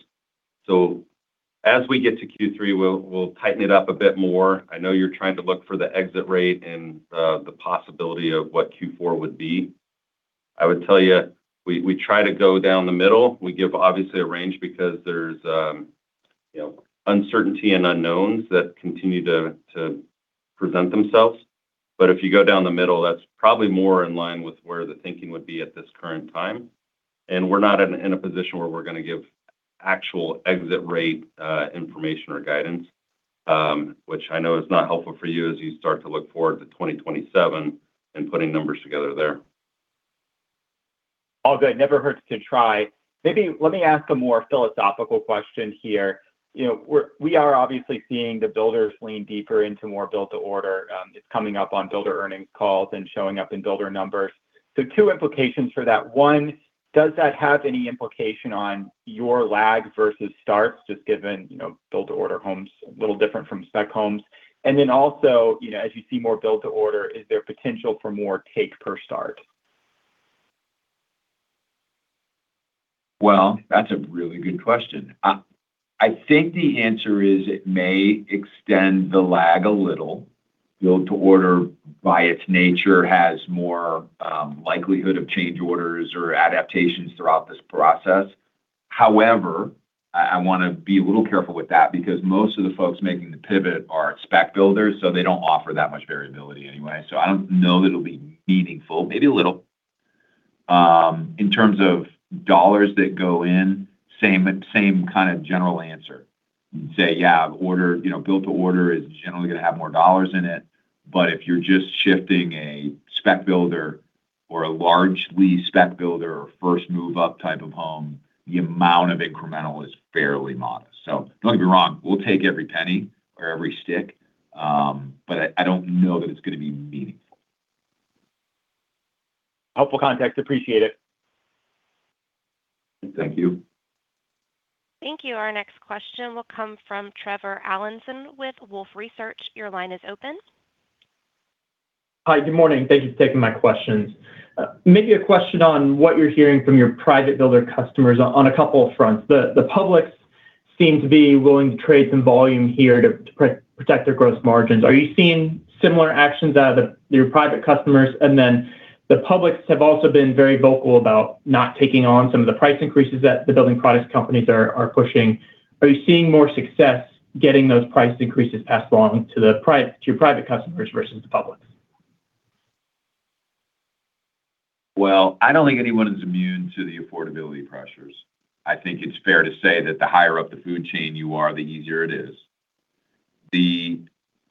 As we get to Q3, we'll tighten it up a bit more. I know you're trying to look for the exit rate and the possibility of what Q4 would be. I would tell you, we try to go down the middle. We give, obviously, a range because there's uncertainty and unknowns that continue to present themselves. If you go down the middle, that's probably more in line with where the thinking would be at this current time. We're not in a position where we're going to give actual exit rate information or guidance, which I know is not helpful for you as you start to look forward to 2027 and putting numbers together there. All good. Never hurts to try. Maybe let me ask a more philosophical question here. We are obviously seeing the builders lean deeper into more build to order. It's coming up on builder earnings calls and showing up in builder numbers. Two implications for that. One, does that have any implication on your lag versus starts, just given build-to-order homes, a little different from spec homes? Also, as you see more build to order, is there potential for more take per start? Well, that's a really good question. I think the answer is it may extend the lag a little. Build to order, by its nature, has more likelihood of change orders or adaptations throughout this process. However, I want to be a little careful with that because most of the folks making the pivot are spec builders, so they don't offer that much variability anyway. I don't know that it'll be meaningful. Maybe a little. In terms of dollars that go in, same kind of general answer. Say, yeah, build to order is generally going to have more dollars in it. If you're just shifting a spec builder or a largely spec builder or first move up type of home, the amount of incremental is fairly modest. Don't get me wrong, we'll take every penny or every stick. I don't know that it's going to be meaningful. Helpful context. Appreciate it. Thank you. Thank you. Our next question will come from Trevor Allinson with Wolfe Research. Your line is open. Hi. Good morning. Thank you for taking my questions. Maybe a question on what you're hearing from your private builder customers on a couple of fronts. The publics seem to be willing to trade some volume here to protect their gross margins. Are you seeing similar actions out of your private customers? The publics have also been very vocal about not taking on some of the price increases that the building products companies are pushing. Are you seeing more success getting those price increases passed along to your private customers versus the publics? Well, I don't think anyone is immune to the affordability pressures. I think it's fair to say that the higher up the food chain you are, the easier it is. The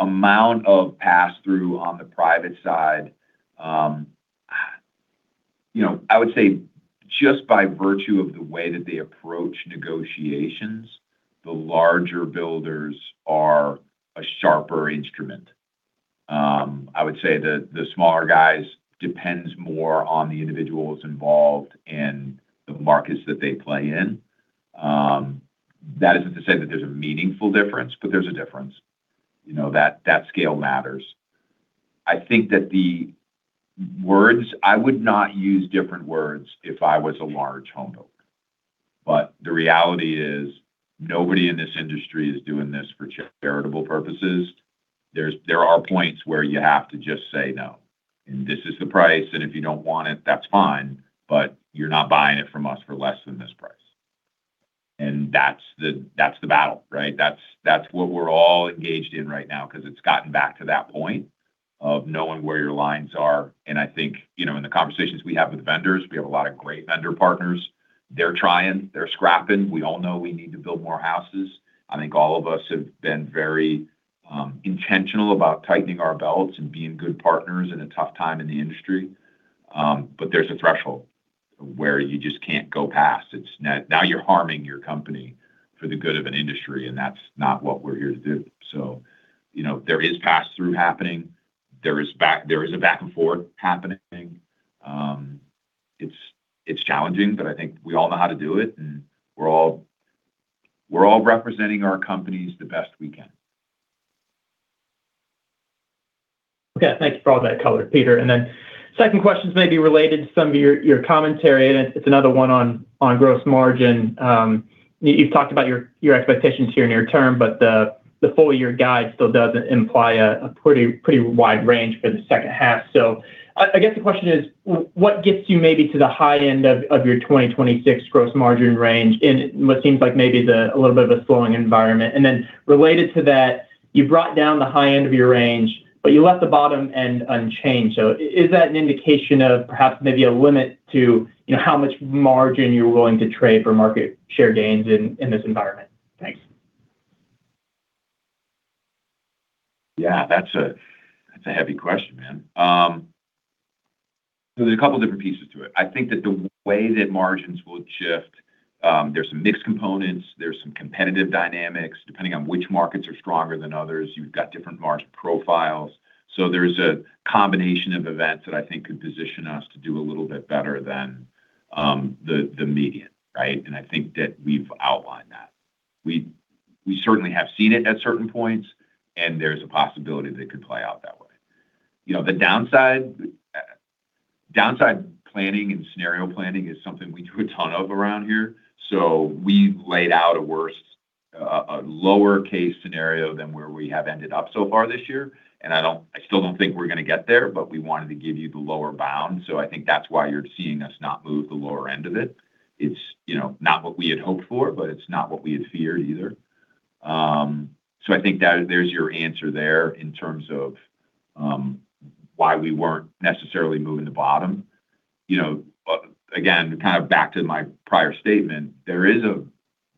amount of pass-through on the private side, I would say just by virtue of the way that they approach negotiations, the larger builders are a sharper instrument. I would say the smaller guys depends more on the individuals involved in the markets that they play in. That isn't to say that there's a meaningful difference, but there's a difference. That scale matters. I think that the words, I would not use different words if I was a large home builder. The reality is, nobody in this industry is doing this for charitable purposes. There are points where you have to just say, "No. This is the price, and if you don't want it, that's fine, but you're not buying it from us for less than this price." That's the battle, right? That's what we're all engaged in right now, because it's gotten back to that point of knowing where your lines are. I think, in the conversations we have with vendors, we have a lot of great vendor partners. They're trying, they're scrapping. We all know we need to build more houses. I think all of us have been very intentional about tightening our belts and being good partners in a tough time in the industry. There's a threshold where you just can't go past. Now you're harming your company for the good of an industry, and that's not what we're here to do. There is passthrough happening. There is a back and forth happening. It's challenging, but I think we all know how to do it, and we're all representing our companies the best we can. Okay. Thanks for all that color, Peter. Second question is maybe related to some of your commentary, and it's another one on gross margin. You've talked about your expectations here near term, but the full year guide still does imply a pretty wide range for the second half. I guess the question is, what gets you maybe to the high end of your 2026 gross margin range in what seems like maybe a little bit of a slowing environment? Related to that, you brought down the high end of your range, but you left the bottom end unchanged. Is that an indication of perhaps maybe a limit to how much margin you're willing to trade for market share gains in this environment? Thanks. Yeah, that's a heavy question, man. There's a couple different pieces to it. I think that the way that margins will shift, there's some mixed components, there's some competitive dynamics. Depending on which markets are stronger than others, you've got different margin profiles. There's a combination of events that I think could position us to do a little bit better than the median. Right? I think that we've outlined that. We certainly have seen it at certain points, and there's a possibility that it could play out that way. The downside planning and scenario planning is something we do a ton of around here. We've laid out a lower case scenario than where we have ended up so far this year, and I still don't think we're going to get there, but we wanted to give you the lower bound. I think that's why you're seeing us not move the lower end of it. It's not what we had hoped for, but it's not what we had feared either. I think that there's your answer there in terms of why we weren't necessarily moving the bottom. Again, kind of back to my prior statement, there is a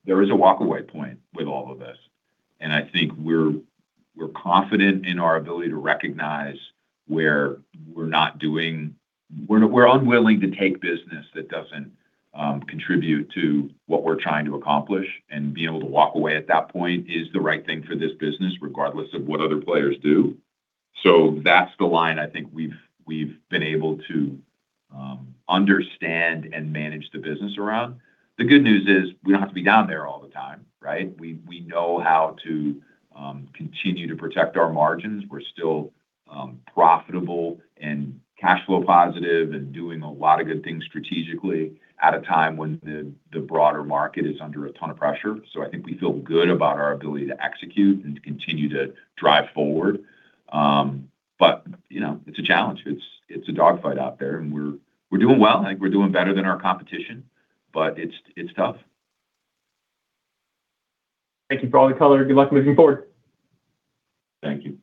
walkaway point with all of this, and I think we're confident in our ability to recognize where we're unwilling to take business that doesn't contribute to what we're trying to accomplish. Being able to walk away at that point is the right thing for this business, regardless of what other players do. That's the line I think we've been able to understand and manage the business around. The good news is we don't have to be down there all the time, right? We know how to continue to protect our margins. We're still profitable and cash flow positive and doing a lot of good things strategically at a time when the broader market is under a ton of pressure. I think we feel good about our ability to execute and to continue to drive forward. It's a challenge. It's a dog fight out there, and we're doing well. I think we're doing better than our competition, it's tough. Thank you for all the color. Good luck moving forward. Thank you.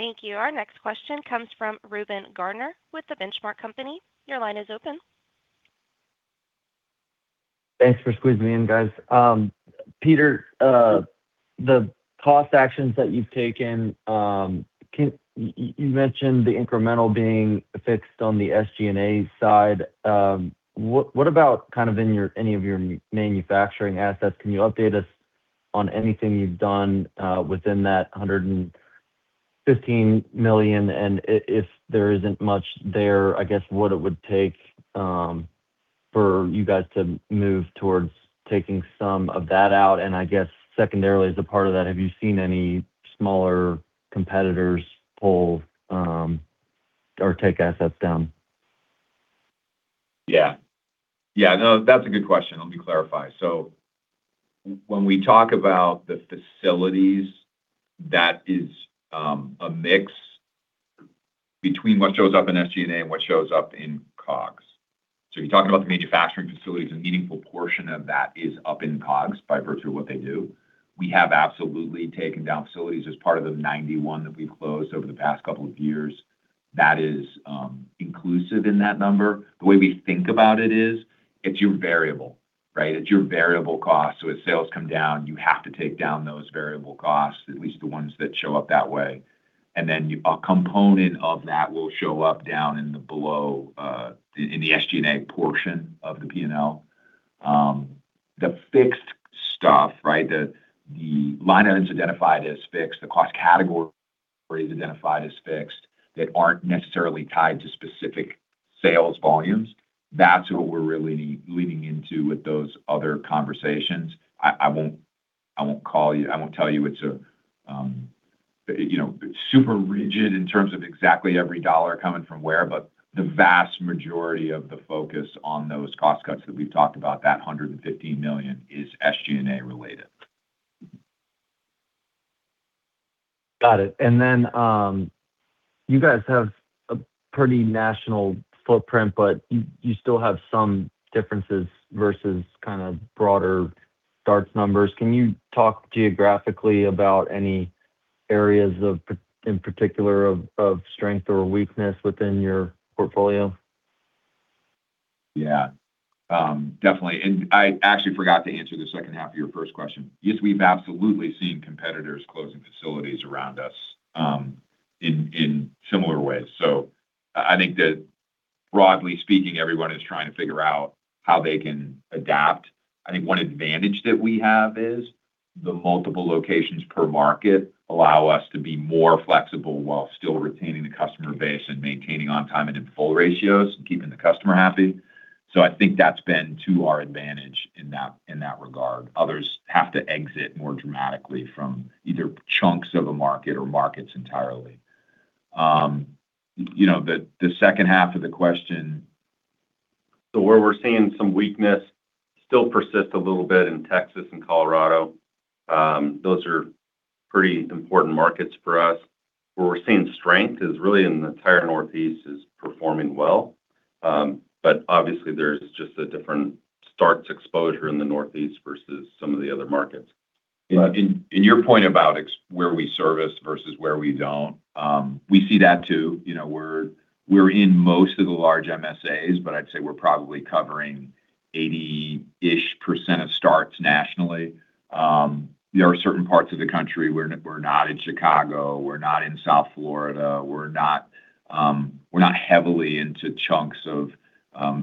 Appreciate it. Thank you. Our next question comes from Reuben Garner with The Benchmark Company. Your line is open. Thanks for squeezing me in, guys. Peter, the cost actions that you've taken, you mentioned the incremental being fixed on the SG&A side. What about kind of in any of your manufacturing assets? Can you update us on anything you've done within that $115 million? If there isn't much there, I guess what it would take for you guys to move towards taking some of that out. I guess secondarily, as a part of that, have you seen any smaller competitors pull or take assets down? Yeah. No, that's a good question. Let me clarify. When we talk about the facilities, that is a mix between what shows up in SG&A and what shows up in COGS. You're talking about the manufacturing facilities, a meaningful portion of that is up in COGS by virtue of what they do. We have absolutely taken down facilities as part of the 91 that we've closed over the past couple of years. That is inclusive in that number. The way we think about it is, it's your variable, right? It's your variable cost. As sales come down, you have to take down those variable costs, at least the ones that show up that way. Then a component of that will show up down in the below, in the SG&A portion of the P&L. The fixed stuff, right, the line items identified as fixed, the cost categories identified as fixed, that aren't necessarily tied to specific sales volumes, that's what we're really leaning into with those other conversations. I won't tell you it's super rigid in terms of exactly every dollar coming from where, but the vast majority of the focus on those cost cuts that we've talked about, that $115 million, is SG&A related. Got it. You guys have a pretty national footprint, but you still have some differences versus broader starts numbers. Can you talk geographically about any areas in particular of strength or weakness within your portfolio? Yeah. Definitely. I actually forgot to answer the second half of your first question. Yes, we've absolutely seen competitors closing facilities around us in similar ways. I think that broadly speaking, everyone is trying to figure out how they can adapt. I think one advantage that we have is the multiple locations per market allow us to be more flexible while still retaining the customer base and maintaining on time and in full ratios and keeping the customer happy. I think that's been to our advantage in that regard. Others have to exit more dramatically from either chunks of a market or markets entirely. The second half of the question Where we're seeing some weakness still persist a little bit in Texas and Colorado. Those are pretty important markets for us. Where we're seeing strength is really in the entire Northeast is performing well. Obviously, there's just a different starts exposure in the Northeast versus some of the other markets. Your point about where we service versus where we don't, we see that too. We're in most of the large MSAs, but I'd say we're probably covering 80%-ish of starts nationally. There are certain parts of the country, we're not in Chicago, we're not in South Florida, we're not heavily into chunks of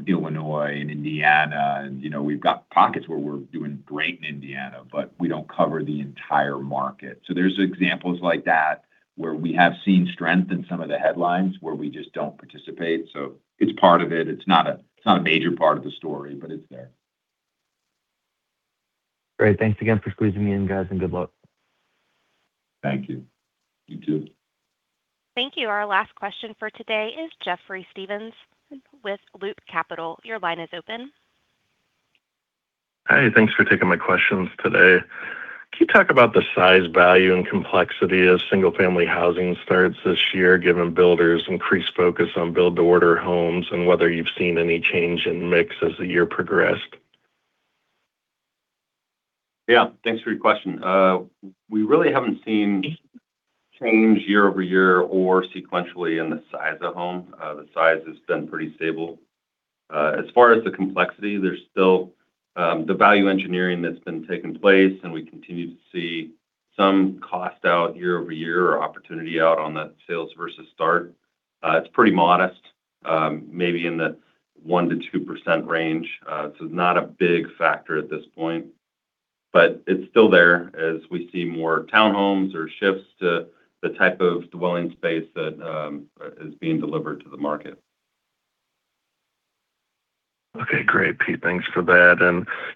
Illinois and Indiana. We've got pockets where we're doing great in Indiana, but we don't cover the entire market. There's examples like that where we have seen strength in some of the headlines where we just don't participate. It's part of it. It's not a major part of the story, but it's there. Great. Thanks again for squeezing me in, guys, and good luck. Thank you. You too. Thank you. Our last question for today is Jeffrey Stevenson with Loop Capital. Your line is open. Hi. Thanks for taking my questions today. Can you talk about the size, value, and complexity of single-family housing starts this year, given builders' increased focus on build-to-order homes and whether you've seen any change in mix as the year progressed? Yeah. Thanks for your question. We really haven't seen change year-over-year or sequentially in the size of home. The size has been pretty stable. As far as the complexity, there's still the value engineering that's been taking place. We continue to see some cost out year-over-year or opportunity out on the sales versus start. It's pretty modest. Maybe in the 1%-2% range. It's not a big factor at this point, but it's still there as we see more townhomes or shifts to the type of dwelling space that is being delivered to the market. Okay, great, Pete. Thanks for that.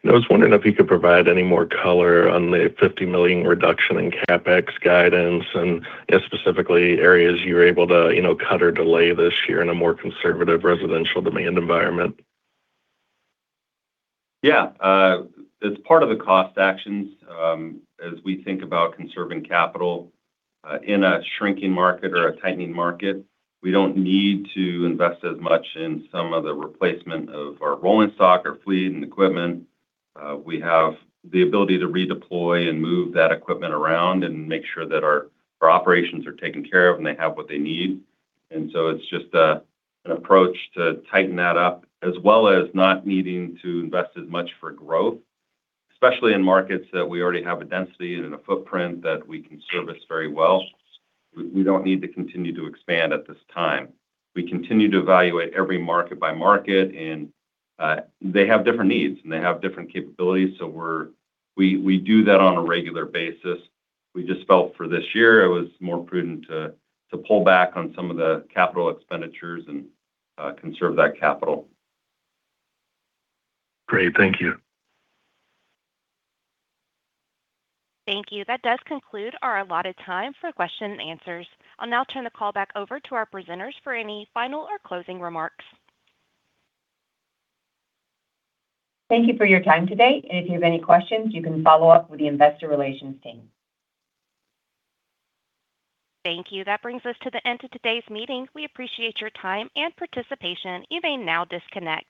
I was wondering if you could provide any more color on the $50 million reduction in CapEx guidance and specifically areas you were able to cut or delay this year in a more conservative residential demand environment. Yeah. As part of the cost actions, as we think about conserving capital in a shrinking market or a tightening market, we don't need to invest as much in some of the replacement of our rolling stock or fleet and equipment. We have the ability to redeploy and move that equipment around and make sure that our operations are taken care of and they have what they need. It's just an approach to tighten that up, as well as not needing to invest as much for growth, especially in markets that we already have a density and a footprint that we can service very well. We don't need to continue to expand at this time. We continue to evaluate every market by market, and they have different needs, and they have different capabilities, so we do that on a regular basis. We just felt for this year, it was more prudent to pull back on some of the capital expenditures and conserve that capital. Great. Thank you. Thank you. That does conclude our allotted time for question and answers. I'll now turn the call back over to our presenters for any final or closing remarks. Thank you for your time today. If you have any questions, you can follow up with the Investor Relations team. Thank you. That brings us to the end of today's meeting. We appreciate your time and participation. You may now disconnect.